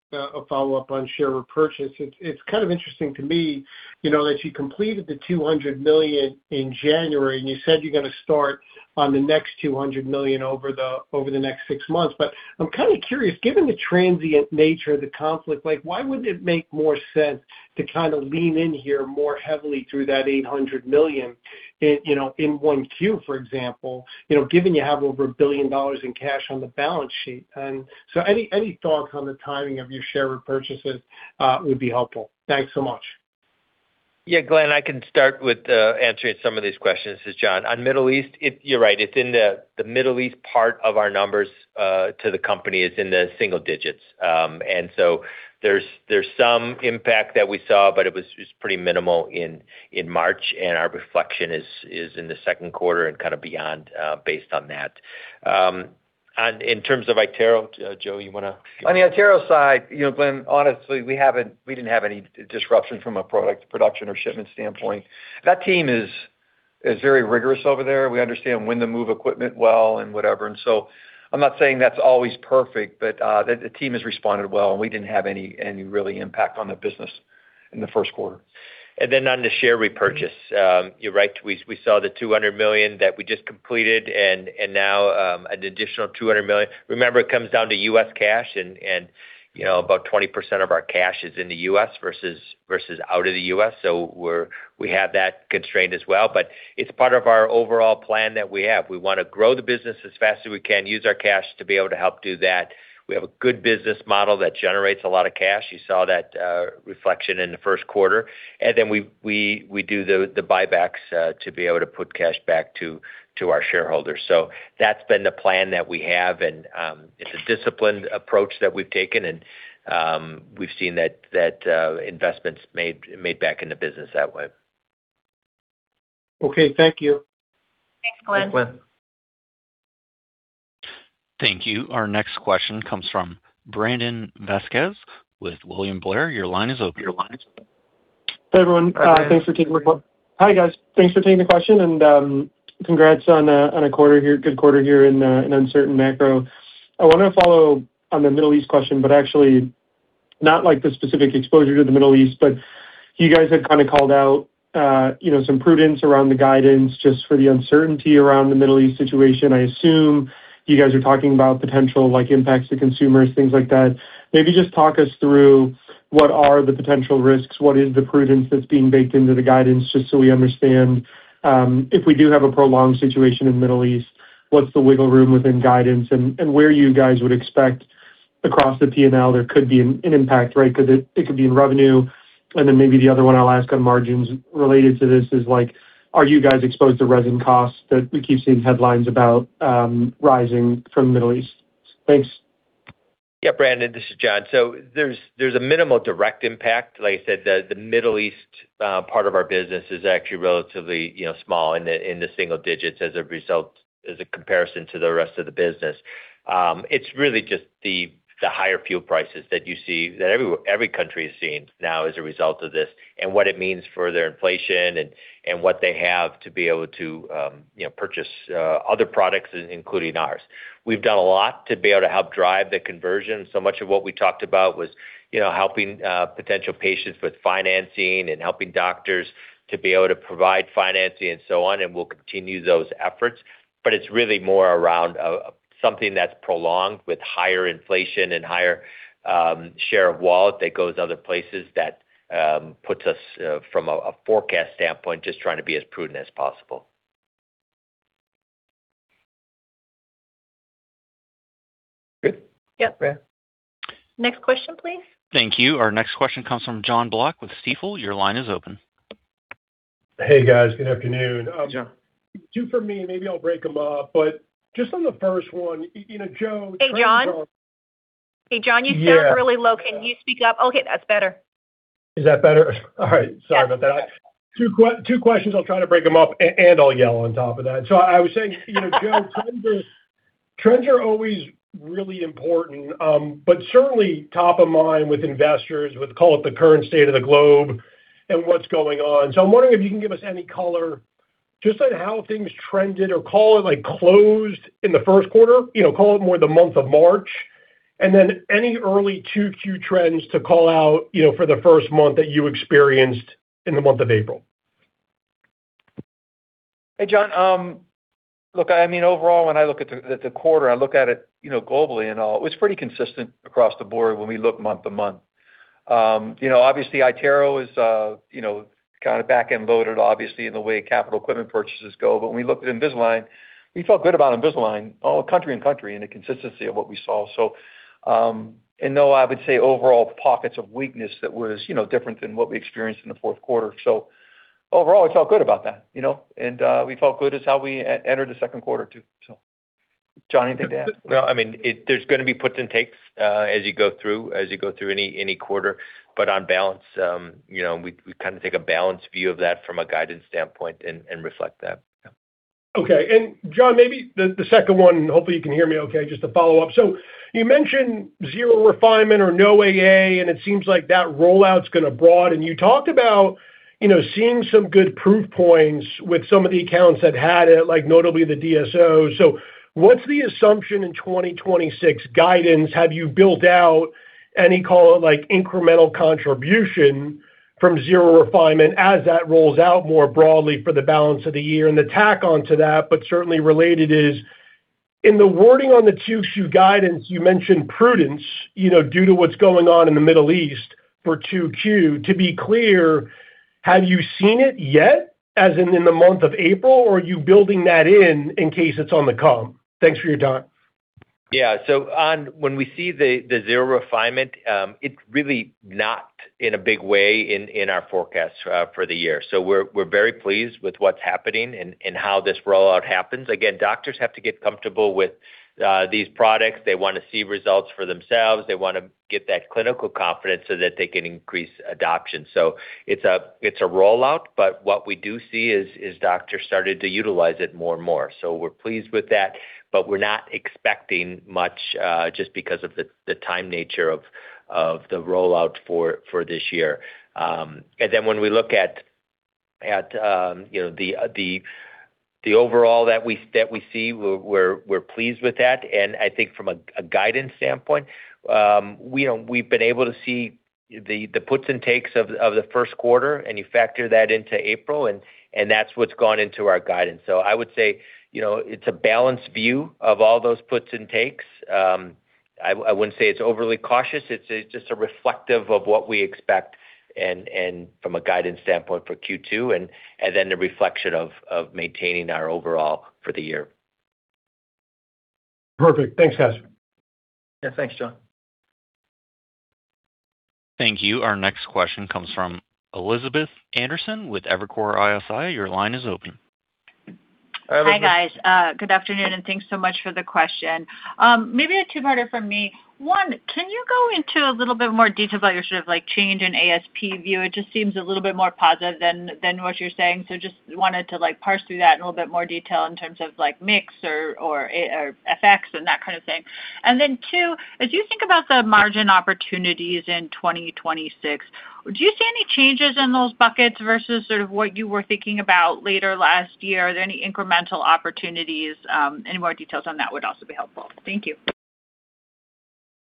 follow-up on share repurchase. It's kind of interesting to me, you know, that you completed the $200 million in January, and you said you're gonna start on the next $200 million over the, over the next six months. I'm kinda curious, given the transient nature of the conflict, like why would it make more sense to kind of lean in here more heavily through that $800 million in, you know, in 1Q, for example? You know, given you have over $1 billion in cash on the balance sheet. Any, any thoughts on the timing of your share repurchases would be helpful. Thanks so much. Glen, I can start with answering some of these questions. This is John. Middle East, you're right, it's in the Middle East part of our numbers, to the company is in the single digits. There's some impact that we saw, but it's pretty minimal in March, and our reflection is in the second quarter and kind of beyond based on that. In terms of iTero, Joe, you wanna- On the iTero side, you know, Glen, honestly, we didn't have any disruption from a product production or shipment standpoint. That team is very rigorous over there. We understand when to move equipment well and whatever. I'm not saying that's always perfect, but the team has responded well, and we didn't have any really impact on the business in the first quarter. On the share repurchase, you're right. We saw the $200 million that we just completed and now an additional $200 million. Remember, it comes down to U.S. cash and, you know, about 20% of our cash is in the U.S. versus out of the U.S., so we have that constraint as well. It's part of our overall plan that we have. We wanna grow the business as fast as we can, use our cash to be able to help do that. We have a good business model that generates a lot of cash. You saw that reflection in the first quarter. We do the buybacks to be able to put cash back to our shareholders. That's been the plan that we have and it's a disciplined approach that we've taken and we've seen that investments made back in the business that way. Okay, thank you. Thanks, Glen. Thank you. Our next question comes from Brandon Vasquez with William Blair. Your line is open. Hey, everyone. Thanks for taking my call. Hi, guys. Thanks for taking the question and congrats on a quarter here, good quarter here in an uncertain macro. I wanna follow on the Middle East question, but actually not like the specific exposure to the Middle East, but you guys had kinda called out, you know, some prudence around the guidance just for the uncertainty around the Middle East situation. I assume you guys are talking about potential, like, impacts to consumers, things like that. Maybe just talk us through what are the potential risks, what is the prudence that's being baked into the guidance, just so we understand, if we do have a prolonged situation in Middle East, what's the wiggle room within guidance and where you guys would expect across the P&L there could be an impact, right? It could be in revenue. Then maybe the other one I'll ask on margins related to this is like, are you guys exposed to resin costs that we keep seeing headlines about, rising from the Middle East? Thanks. Brandon, this is John. There's a minimal direct impact. Like I said, the Middle East part of our business is actually relatively, you know, small in the single digits as a comparison to the rest of the business. It's really just the higher fuel prices that you see that every country is seeing now as a result of this and what it means for their inflation and what they have to be able to, you know, purchase other products, including ours. We've done a lot to be able to help drive the conversion. Much of what we talked about was, you know, helping potential patients with financing and helping doctors to be able to provide financing and so on, we'll continue those efforts. It's really more around something that's prolonged with higher inflation and higher share of wallet that goes other places that puts us from a forecast standpoint, just trying to be as prudent as possible. Good? Yep. Next question, please. Thank you. Our next question comes from Jon Block with Stifel. Your line is open. Hey, guys. Good afternoon. Jon. Two for me, maybe I'll break them up, but just on the first one, you know, Joe. Hey, Jon? Hey, Jon, you sound really low. Can you speak up? Okay, that's better. Is that better? All right. Sorry about that. Two questions, I'll try to break them up and I'll yell on top of that. You know, Joe, trends are always really important, but certainly top of mind with investors with, call it, the current state of the globe and what's going on. I'm wondering if you can give us any color just on how things trended or call it like closed in the first quarter, you know, call it more the month of March, and then any early 2Q trends to call out, you know, for the first month that you experienced in the month of April. Hey, Jon. Look, I mean, overall, when I look at the quarter, I look at it, you know, globally and all. It's pretty consistent across the board when we look month-to-month. You know, obviously iTero is, you know, kind of back-end loaded obviously in the way capital equipment purchases go. But when we looked at Invisalign, we felt good about Invisalign all country and country and the consistency of what we saw. And no, I would say overall pockets of weakness that was, you know, different than what we experienced in the fourth quarter. Overall, we felt good about that, you know, and we felt good is how we enter the second quarter too. John, anything to add? Well, I mean, there's gonna be puts and takes as you go through any quarter. On balance, you know, we kind of take a balanced view of that from a guidance standpoint and reflect that. Yeah. Okay. John, maybe the second one, hopefully you can hear me okay, just to follow up. You mentioned zero refinement or no AA, it seems like that rollout's gonna broaden. You talked about, you know, seeing some good proof points with some of the accounts that had it, like notably the DSOs. What's the assumption in 2026 guidance? Have you built out any, call it, like, incremental contribution from zero refinement as that rolls out more broadly for the balance of the year? The tack on to that, certainly related is, in the wording on the 2Q guidance, you mentioned prudence, you know, due to what's going on in the Middle East for 2Q. To be clear, have you seen it yet as in the month of April, or are you building that in in case it's on the come? Thanks for your time. Yeah. When we see the zero refinement, it really not in a big way in our forecast for the year. We're very pleased with what's happening and how this rollout happens. Again, doctors have to get comfortable with these products. They wanna see results for themselves. They wanna get that clinical confidence so that they can increase adoption. It's a rollout, but what we do see is doctors started to utilize it more and more. We're pleased with that, but we're not expecting much just because of the time nature of the rollout for this year. When we look at, you know, the overall that we see, we're pleased with that. I think from a guidance standpoint, we, you know, we've been able to see the puts and takes of the first quarter, you factor that into April, and that's what's gone into our guidance. I would say, you know, it's a balanced view of all those puts and takes. I wouldn't say it's overly cautious. It's just a reflective of what we expect and from a guidance standpoint for Q2 and then the reflection of maintaining our overall for the year. Perfect. Thanks, guys. Yeah. Thanks, Jon. Thank you. Our next question comes from Elizabeth Anderson with Evercore ISI. Your line is open. Elizabeth- Hi, guys. Good afternoon, and thanks so much for the question. Maybe a two-parter from me. One, can you go into a little bit more detail about your sort of, like, change in ASP view? It just seems a little bit more positive than what you're saying. Just wanted to, like, parse through that in a little bit more detail in terms of, like, mix or, or FX and that kind of thing. Two, as you think about the margin opportunities in 2026, do you see any changes in those buckets versus sort of what you were thinking about later last year? Are there any incremental opportunities? Any more details on that would also be helpful. Thank you.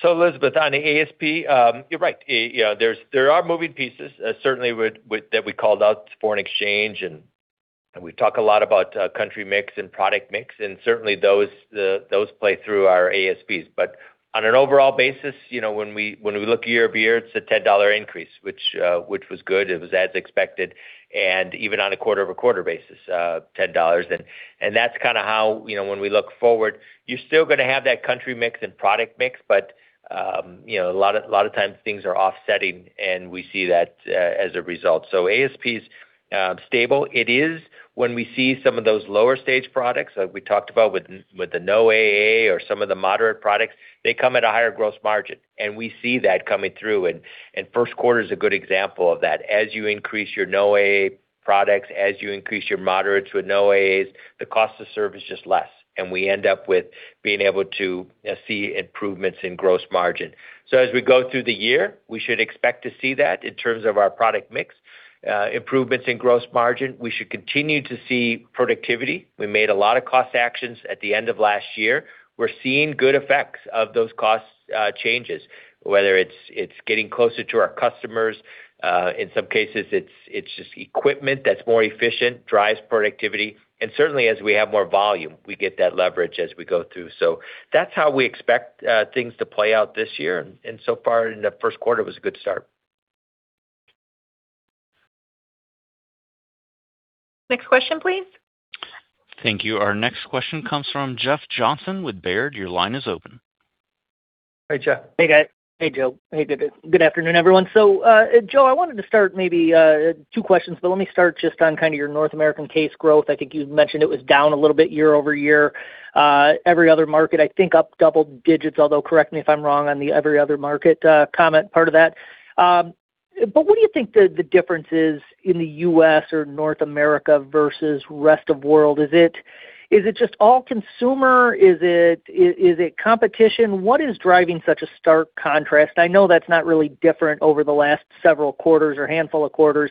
Elizabeth, on the ASP, you're right. You know, there are moving pieces, certainly with that we called out, foreign exchange, and we talk a lot about country mix and product mix, and certainly those play through our ASPs. On an overall basis, you know, when we look year-over-year, it's a $10 increase, which was good. It was as expected. Even on a quarter-over-quarter basis, $10. That's kinda how, you know, when we look forward, you're still gonna have that country mix and product mix, but, you know, a lot of times things are offsetting, and we see that as a result. ASPs stable. It is when we see some of those lower stage products, like we talked about with the no AA or some of the moderate products, they come at a higher gross margin. We see that coming through. First quarter is a good example of that. As you increase your no AA products, as you increase your moderates with no AAs, the cost to serve is just less. We end up with being able to see improvements in gross margin. As we go through the year, we should expect to see that in terms of our product mix. Improvements in gross margin, we should continue to see productivity. We made a lot of cost actions at the end of last year. We're seeing good effects of those cost changes, whether it's getting closer to our customers. In some cases it's just equipment that's more efficient, drives productivity. Certainly as we have more volume, we get that leverage as we go through. That's how we expect things to play out this year. So far in the first quarter was a good start. Next question, please. Thank you. Our next question comes from Jeff Johnson with Baird. Your line is open. Hey, Jeff. Hey, guys. Hey, Joe. Hey, John. Good afternoon, everyone. Joe, I wanted to start maybe two questions, but let me start just on kinda your North American case growth. I think you've mentioned it was down a little bit year-over-year. Every other market, I think up double digits, although correct me if I'm wrong on the every other market comment part of that. What do you think the difference is in the U.S. or North America versus rest of world? Is it just all consumer? Is it, is it competition? What is driving such a stark contrast? I know that's not really different over the last several quarters or handful of quarters.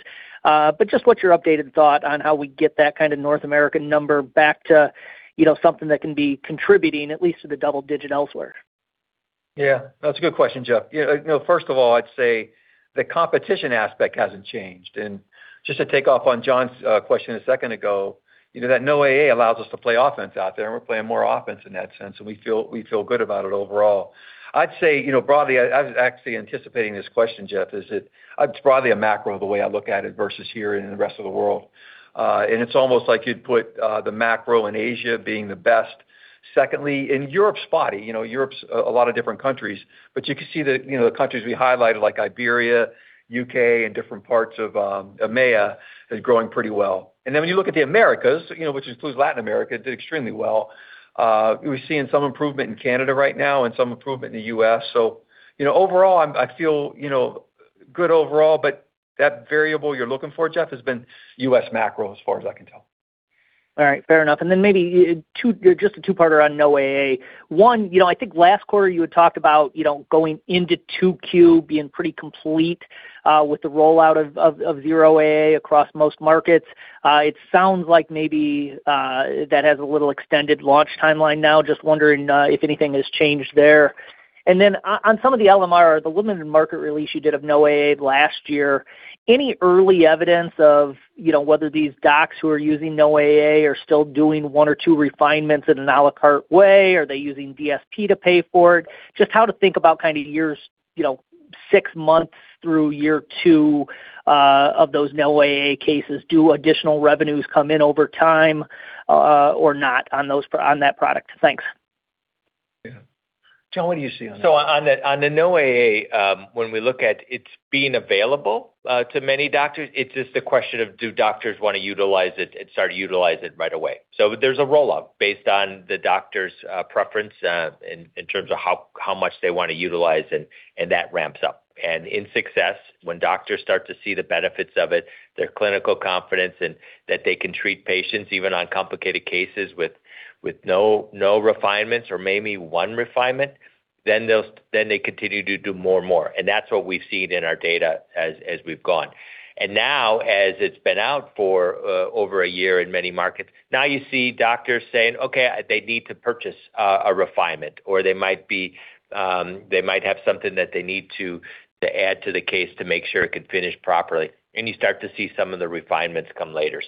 Just what's your updated thought on how we get that kind of North American number back to, you know, something that can be contributing at least to the double-digit elsewhere? Yeah, that's a good question, Jeff. You know, first of all, I'd say the competition aspect hasn't changed. Just to take off on Jon's question a second ago, you know, that no AA allows us to play offense out there, and we're playing more offense in that sense, and we feel good about it overall. I'd say, you know, broadly, I was actually anticipating this question, Jeff, is that it's broadly a macro, the way I look at it, versus here in the rest of the world. It's almost like you'd put the macro in Asia being the best. Secondly, Europe's spotty. You know, Europe's a lot of different countries, but you can see the, you know, the countries we highlighted like Iberia, U.K., and different parts of EMEA is growing pretty well. When you look at the Americas, you know, which includes Latin America, did extremely well. We're seeing some improvement in Canada right now and some improvement in the U.S. You know, overall I feel, you know, good overall, but that variable you're looking for, Jeff, has been U.S. macro as far as I can tell. All right. Fair enough. Maybe just a two-parter on no AA. One, you know, I think last quarter you had talked about, you know, going into 2Q being pretty complete with the rollout of zero AA across most markets. It sounds like maybe that has a little extended launch timeline now. Just wondering if anything has changed there. On some of the LMR, the limited market release you did of no AA last year, any early evidence of, you know, whether these docs who are using no AA are still doing one or two refinements in an a la carte way? Are they using DSP to pay for it? Just how to think about kind of years, you know, six months through year two of those no AA cases. Do additional revenues come in over time, or not on that product? Thanks. Yeah. John, what do you see on that? On the no AA, when we look at it's being available to many doctors, it's just a question of do doctors wanna utilize it and start to utilize it right away. There's a roll-up based on the doctor's preference in terms of how much they wanna utilize and that ramps up. In success, when doctors start to see the benefits of it, their clinical confidence and that they can treat patients even on complicated cases with no refinements or maybe one refinement, then they continue to do more and more. That's what we've seen in our data as we've gone. Now, as it's been out for over a year in many markets, now you see doctors saying, "Okay, they need to purchase a refinement," or they might be, they might have something that they need to add to the case to make sure it can finish properly. You start to see some of the refinements come later.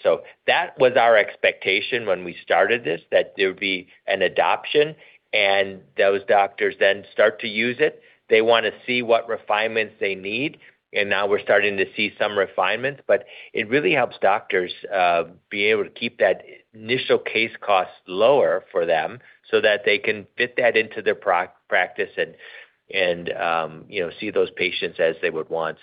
That was our expectation when we started this, that there would be an adoption and those doctors then start to use it. They wanna see what refinements they need, and now we're starting to see some refinements. It really helps doctors be able to keep that initial case cost lower for them so that they can fit that into their practice and, you know, see those patients as they would want.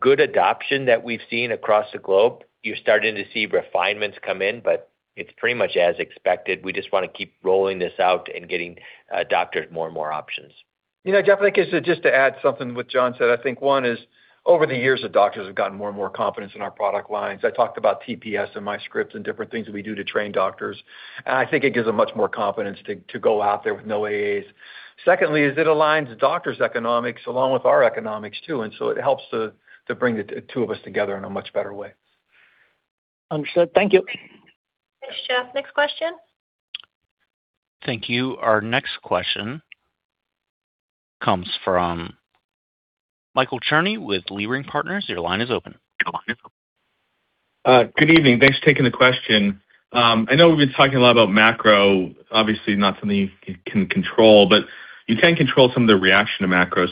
Good adoption that we've seen across the globe. You're starting to see refinements come in, but it's pretty much as expected. We just wanna keep rolling this out and getting doctors more and more options. You know, Jeff, I think just to add something to what John said. I think one is over the years, the doctors have gotten more and more confidence in our product lines. I talked about TPS and MyScript and different things that we do to train doctors. I think it gives them much more confidence to go out there with no AAs. Secondly is it aligns doctors' economics along with our economics too, and so it helps to bring the two of us together in a much better way. Understood. Thank you. Thanks, Jeff. Next question. Thank you. Our next question comes from Michael Cherny with Leerink Partners. Your line is open. Good evening. Thanks for taking the question. I know we've been talking a lot about macro, obviously not something you can control, but you can control some of the reaction to macro.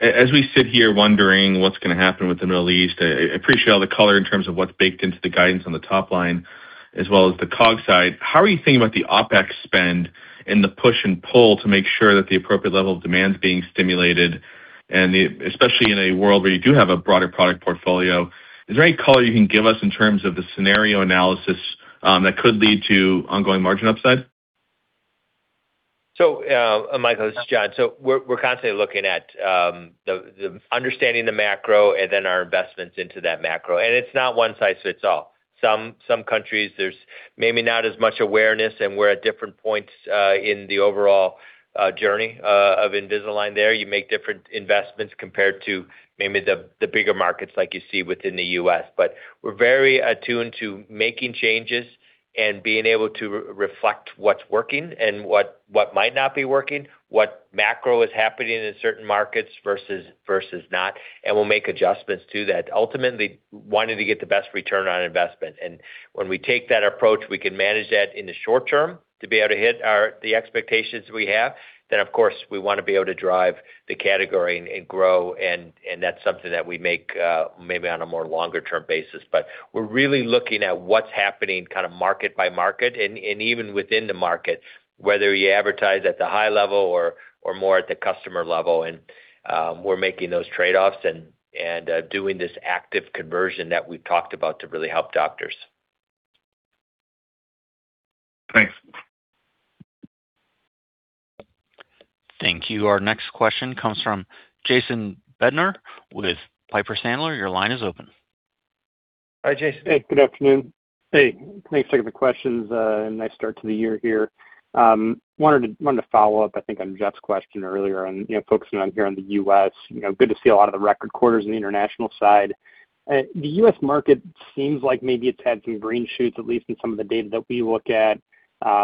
As we sit here wondering what's gonna happen with the Middle East, I appreciate all the color in terms of what's baked into the guidance on the top line as well as the COGS side. How are you thinking about the OpEx spend and the push and pull to make sure that the appropriate level of demand is being stimulated and especially in a world where you do have a broader product portfolio? Is there any color you can give us in terms of the scenario analysis that could lead to ongoing margin upside Michael, this is John. We're constantly looking at the understanding the macro and then our investments into that macro. It's not one size fits all. Some countries there's maybe not as much awareness, and we're at different points in the overall journey of Invisalign there. You make different investments compared to maybe the bigger markets like you see within the U.S. We're very attuned to making changes and being able to re-reflect what's working and what might not be working, what macro is happening in certain markets versus not, and we'll make adjustments to that, ultimately wanting to get the best return on investment. When we take that approach, we can manage that in the short term to be able to hit the expectations we have. Of course, we want to be able to drive the category and grow and that's something that we make maybe on a more longer term basis. We're really looking at what's happening kind of market by market and even within the markets, whether you advertise at the high level or more at the customer level. We're making those trade-offs and doing this active conversion that we've talked about to really help doctors. Thank you. Our next question comes from Jason Bednar with Piper Sandler. Your line is open. Hi, Jason. Hey, good afternoon. Hey, thanks for the questions. Nice start to the year here. Wanted to follow up, I think on Jeff's question earlier on, you know, focusing on here on the U.S. You know, good to see a lot of the record quarters in the international side. The U.S. market seems like maybe it's had some green shoots, at least in some of the data that we look at,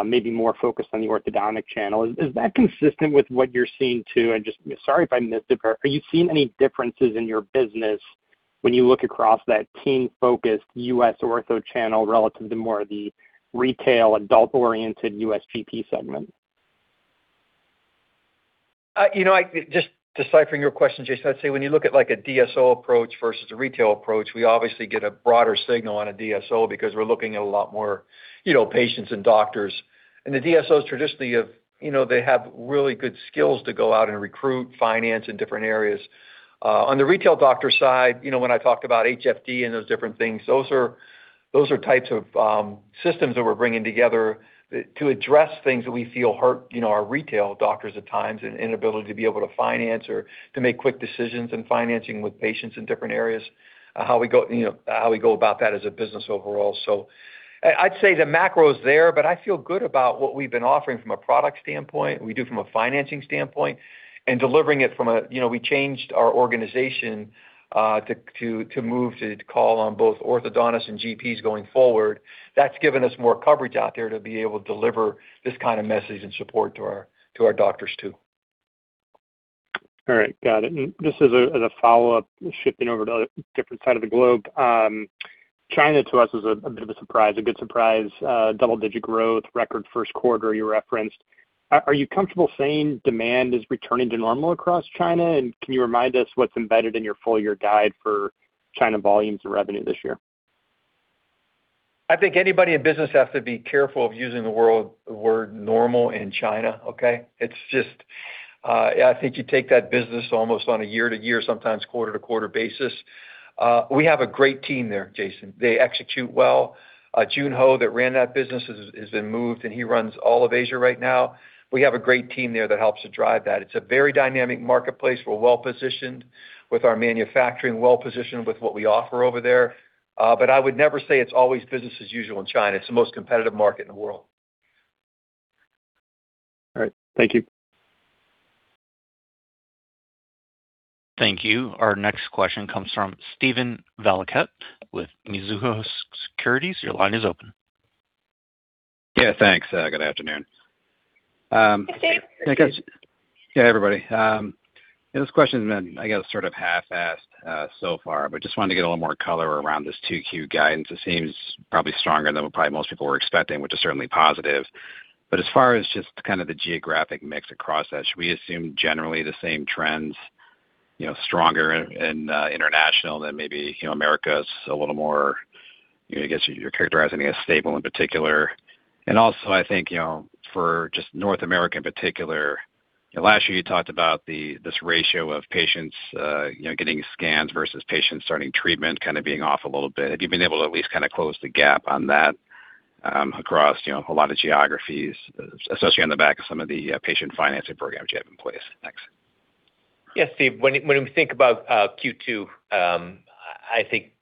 maybe more focused on the orthodontic channel. Is that consistent with what you're seeing too? Just sorry if I missed it. Are you seeing any differences in your business when you look across that team-focused U.S. ortho channel relative to more of the retail adult-oriented U.S. GP segment? You know, just deciphering your question, Jason, I'd say when you look at like a DSO approach versus a retail approach, we obviously get a broader signal on a DSO because we're looking at a lot more, you know, patients and doctors. The DSOs traditionally have, you know, they have really good skills to go out and recruit, finance in different areas. On the retail doctor side, you know, when I talk about HFD and those different things, those are types of systems that we're bringing together to address things that we feel hurt, you know, our retail doctors at times, inability to be able to finance or to make quick decisions in financing with patients in different areas, how we go about that as a business overall. I'd say the macro is there, but I feel good about what we've been offering from a product standpoint, we do from a financing standpoint and delivering it. You know, we changed our organization to move to call on both orthodontists and GPs going forward. That's given us more coverage out there to be able to deliver this kind of message and support to our doctors too. All right, got it. Just as a follow-up, shifting over to the different side of the globe. China to us is a bit of a surprise, a good surprise. Double-digit growth, record first quarter you referenced. Are you comfortable saying demand is returning to normal across China? Can you remind us what's embedded in your full year guide for China volumes and revenue this year? I think anybody in business has to be careful of using the word normal in China, okay? It's just, I think you take that business almost on a year to year, sometimes quarter to quarter basis. We have a great team there, Jason. They execute well. Julie Tay, that ran that business has been moved, and he runs all of Asia right now. We have a great team there that helps to drive that. It's a very dynamic marketplace. We're well-positioned with our manufacturing, well-positioned with what we offer over there. I would never say it's always business as usual in China. It's the most competitive market in the world. All right. Thank you. Thank you. Our next question comes from Steven Valiquette with Mizuho Securities. Your line is open. Yeah, thanks. Good afternoon. Hey, guys. Hey, everybody. This question has been, I guess sort of half-assed so far. Just wanted to get a little more color around this 2Q guidance. It seems probably stronger than what probably most people were expecting, which is certainly positive. As far as just kind of the geographic mix across that, should we assume generally the same trends, you know, stronger in international than maybe, you know, America is a little more, you know, I guess you're characterizing as stable in particular. Also, I think, you know, for just North America in particular, last year you talked about this ratio of patients, you know, getting scans versus patients starting treatment kind of being off a little bit. Have you been able to at least close the gap on that, across, you know, a lot of geographies, especially on the back of some of the patient financing programs you have in place? Thanks. Yeah, Steve. When we think about Q2, I think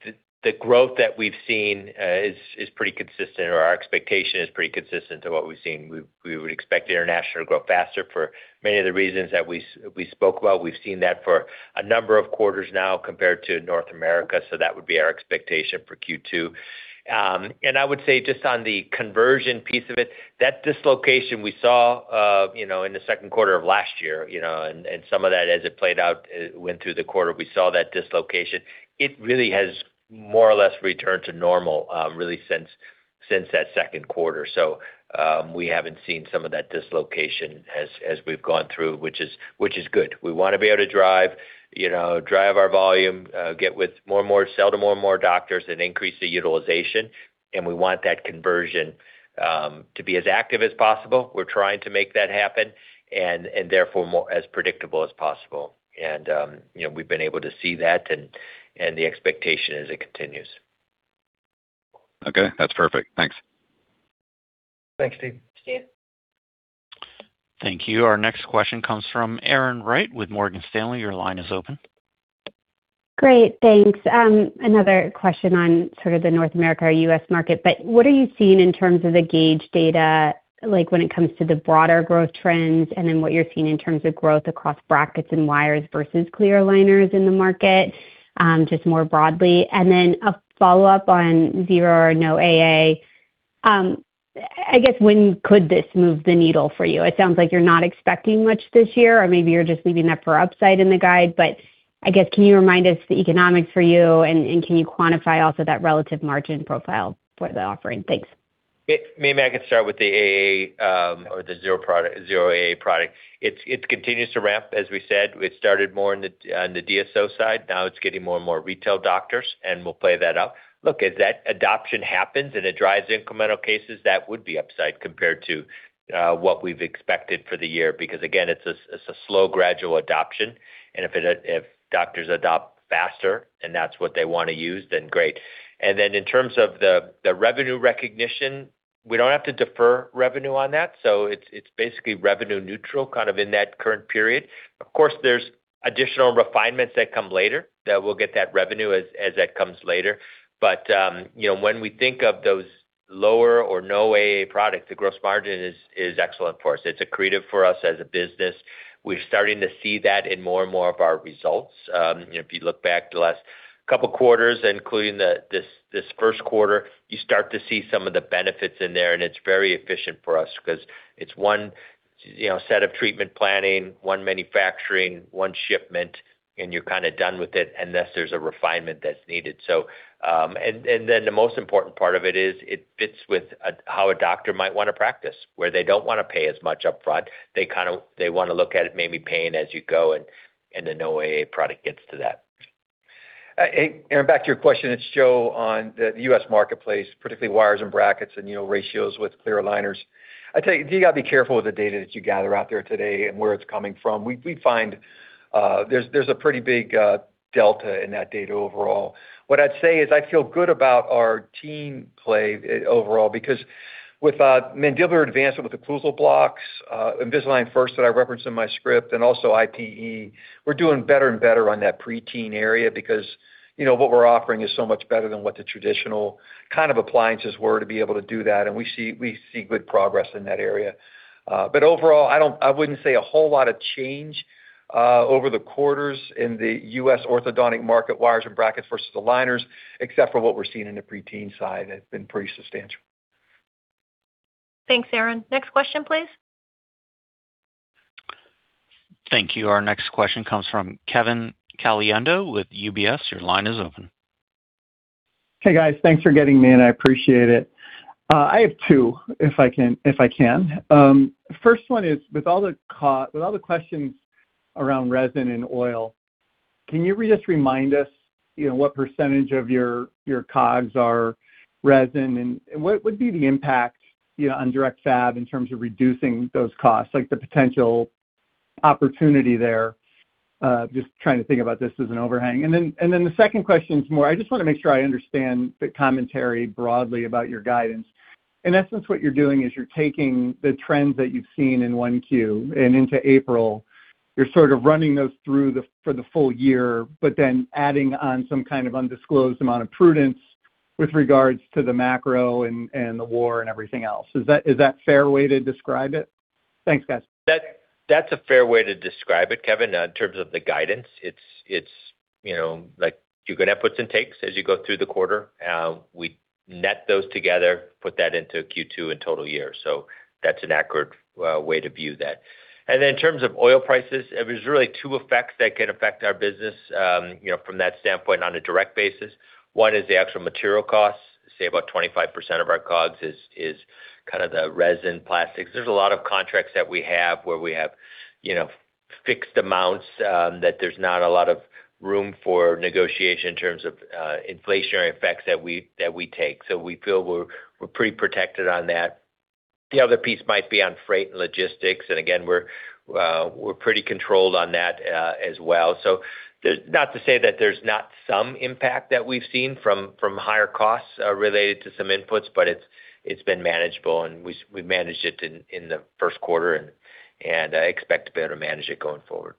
the growth that we've seen is pretty consistent or our expectation is pretty consistent to what we've seen. We would expect international to grow faster for many of the reasons that we spoke about. We've seen that for a number of quarters now compared to North America. That would be our expectation for Q2. I would say just on the conversion piece of it, that dislocation we saw, you know, in the second quarter of last year, you know, and some of that as it played out, went through the quarter, we saw that dislocation. It really has more or less returned to normal, really since that second quarter. We haven't seen some of that dislocation as we've gone through, which is, which is good. We want to be able to drive, you know, drive our volume, sell to more and more doctors and increase the utilization, and we want that conversion to be as active as possible. We're trying to make that happen and therefore more as predictable as possible. You know, we've been able to see that and the expectation is it continues. Okay, that's perfect. Thanks. Thanks, Steve. Thank you. Our next question comes from Erin Wright with Morgan Stanley. Your line is open. Great, thanks. Another question on sort of the North America or U.S. market, what are you seeing in terms of the gauge data, like when it comes to the broader growth trends, and then what you're seeing in terms of growth across brackets and wires versus clear aligners in the market, just more broadly? A follow-up on zero or no AA. I guess when could this move the needle for you? It sounds like you're not expecting much this year, or maybe you're just leaving that for upside in the guide. I guess, can you remind us the economics for you and can you quantify also that relative margin profile for the offering? Thanks. Maybe I can start with the AA, or the zero product, zero AA product. It continues to ramp, as we said. It started more on the DSO side. Now it's getting more and more retail doctors, we'll play that out. Look, as that adoption happens and it drives incremental cases, that would be upside compared to what we've expected for the year because, again, it's a slow gradual adoption. If doctors adopt faster and that's what they want to use, then great. In terms of the revenue recognition. We don't have to defer revenue on that, it's basically revenue neutral kind of in that current period. Of course, there's additional refinements that come later that we'll get that revenue as that comes later. You know, when we think of those lower or no AA product, the gross margin is excellent for us. It's accretive for us as a business. We're starting to see that in more and more of our results. You know, if you look back the last couple quarters, including this first quarter, you start to see some of the benefits in there, and it's very efficient for us 'cause it's one, you know, set of treatment planning, one manufacturing, one shipment, and you're kinda done with it unless there's a refinement that's needed. And then the most important part of it is it fits with how a doctor might wanna practice, where they don't wanna pay as much upfront. They wanna look at it maybe paying as you go and the no AA product gets to that. Back to your question, Joe, on the U.S. marketplace, particularly wires and brackets and, you know, ratios with clear aligners. I tell you gotta be careful with the data that you gather out there today and where it's coming from. We find there's a pretty big delta in that data overall. What I'd say is I feel good about our team play overall because with Mandibular Advancement with Occlusal Blocks, Invisalign First that I referenced in my script, and also IPE, we're doing better and better on that preteen area because, you know, what we're offering is so much better than what the traditional kind of appliances were to be able to do that, and we see good progress in that area. Overall, I wouldn't say a whole lot of change, over the quarters in the U.S. orthodontic market, wires and brackets versus aligners, except for what we're seeing in the preteen side. It's been pretty substantial. Thanks, Erin. Next question, please. Thank you. Our next question comes from Kevin Caliendo with UBS. Your line is open. Hey, guys. Thanks for getting me in. I appreciate it. I have two, if I can. First one is with all the questions around resin and oil, can you just remind us, you know, what percentage of your COGS are resin, and what would be the impact, you know, on direct fab in terms of reducing those costs, like the potential opportunity there? Just trying to think about this as an overhang. Then the second question is more I just wanna make sure I understand the commentary broadly about your guidance. In essence, what you're doing is you're taking the trends that you've seen in 1Q and into April. You're sort of running those for the full year, adding on some kind of undisclosed amount of prudence with regards to the macro and the war and everything else. Is that fair way to describe it? Thanks, guys. That's a fair way to describe it, Kevin. In terms of the guidance, it's, you know, like, you're gonna have puts and takes as you go through the quarter. We net those together, put that into a Q2 and total year. That's an accurate way to view that. In terms of oil prices, there's really two effects that can affect our business, you know, from that standpoint on a direct basis. One is the actual material costs. Say about 25% of our COGS is kind of the resin plastics. There's a lot of contracts that we have where we have, you know, fixed amounts, that there's not a lot of room for negotiation in terms of inflationary effects that we, that we take. We feel we're pretty protected on that. The other piece might be on freight and logistics, and again, we're pretty controlled on that as well. Not to say that there's not some impact that we've seen from higher costs related to some inputs, but it's been manageable, and we managed it in the first quarter, and I expect to be able to manage it going forward.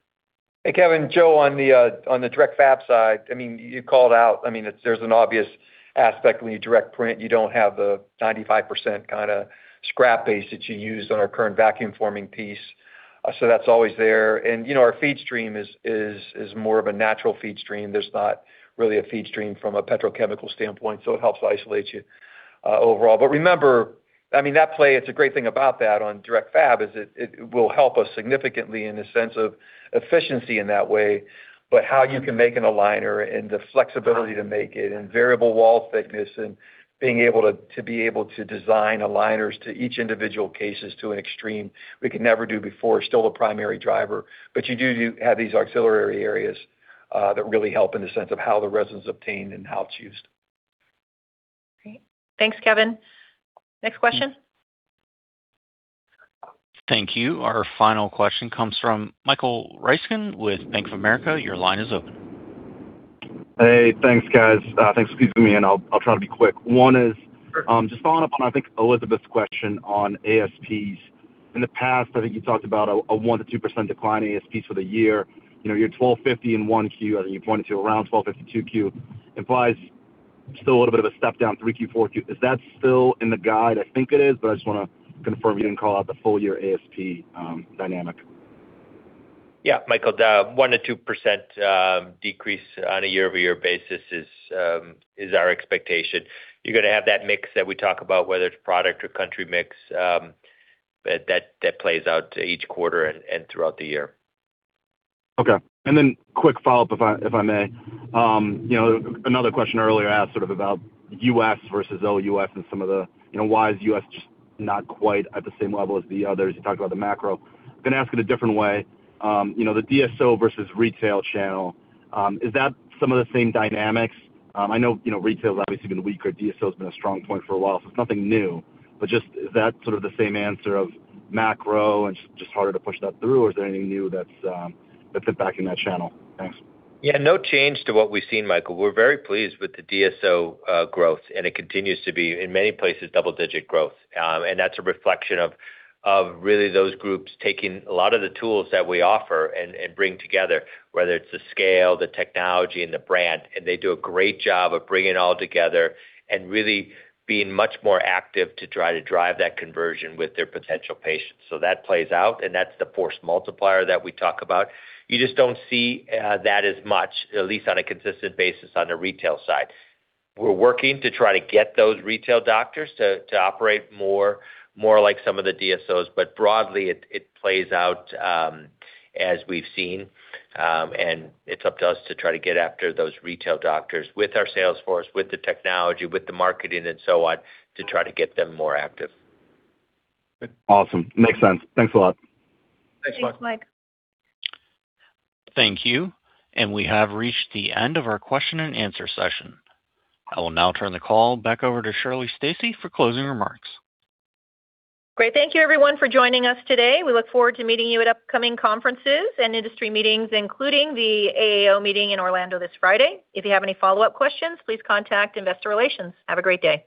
Hey, Kevin. Joe on the direct fab side. I mean, you called out, there's an obvious aspect when you direct print. You don't have the 95% kinda scrap base that you use on our current vacuum forming piece. That's always there. You know, our feed stream is more of a natural feed stream. There's not really a feed stream from a petrochemical standpoint, it helps isolate you overall. Remember, I mean, that play, it's a great thing about that on direct fab, is it will help us significantly in the sense of efficiency in that way. How you can make an aligner and the flexibility to make it and variable wall thickness and being able to be able to design aligners to each individual cases to an extreme we could never do before is still the primary driver. You do have these auxiliary areas that really help in the sense of how the resin's obtained and how it's used. Great. Thanks, Kevin. Next question. Thank you. Our final question comes from Michael Ryskin with Bank of America. Your line is open. Hey. Thanks, guys. Thanks for squeezing me in. I'll try to be quick. One is, just following up on, I think, Elizabeth's question on ASPs. In the past, I think you talked about a 1% to 2% decline in ASPs for the year. You know, your $12.50 in one Q, I think you pointed to around $12.50 two Q, implies still a little bit of a step down three Q, four Q. Is that still in the guide? I think it is, I just wanna confirm you didn't call out the full year ASP dynamic. Yeah, Michael, the 1%-2% decrease on a year-over-year basis is our expectation. You are going to have that mix that we talk about, whether it is product or country mix, that plays out to each quarter and throughout the year. Okay. Then quick follow-up if I, if I may. You know, another question earlier asked sort of about U.S. versus OUS and some of the, you know, why is U.S. just not quite at the same level as the others. You talked about the macro. I'm gonna ask it a different way. You know, the DSO versus retail channel, is that some of the same dynamics? I know, you know, retail's obviously been weaker. DSO's been a strong point for a while, so it's nothing new. Just is that sort of the same answer of macro and just harder to push that through, or is there anything new that's impacting that channel? Thanks. Yeah, no change to what we've seen, Michael. We're very pleased with the DSO growth, it continues to be, in many places, double-digit growth. That's a reflection of really those groups taking a lot of the tools that we offer and bring together, whether it's the scale, the technology, and the brand. They do a great job of bringing it all together and really being much more active to try to drive that conversion with their potential patients. That plays out, and that's the force multiplier that we talk about. You just don't see that as much, at least on a consistent basis, on the retail side. We're working to try to get those retail doctors to operate more like some of the DSOs, broadly, it plays out as we've seen. It's up to us to try to get after those retail doctors with our sales force, with the technology, with the marketing and so on, to try to get them more active. Awesome. Makes sense. Thanks a lot. Thanks, Mike. Thanks, Mike. Thank you. We have reached the end of our question and answer session. I will now turn the call back over to Shirley Stacy for closing remarks. Great. Thank you everyone for joining us today. We look forward to meeting you at upcoming conferences and industry meetings, including the AAO meeting in Orlando this Friday. If you have any follow-up questions, please contact investor relations. Have a great day.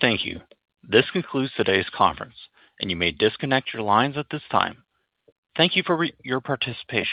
Thank you. This concludes today's conference, and you may disconnect your lines at this time. Thank you for your participating.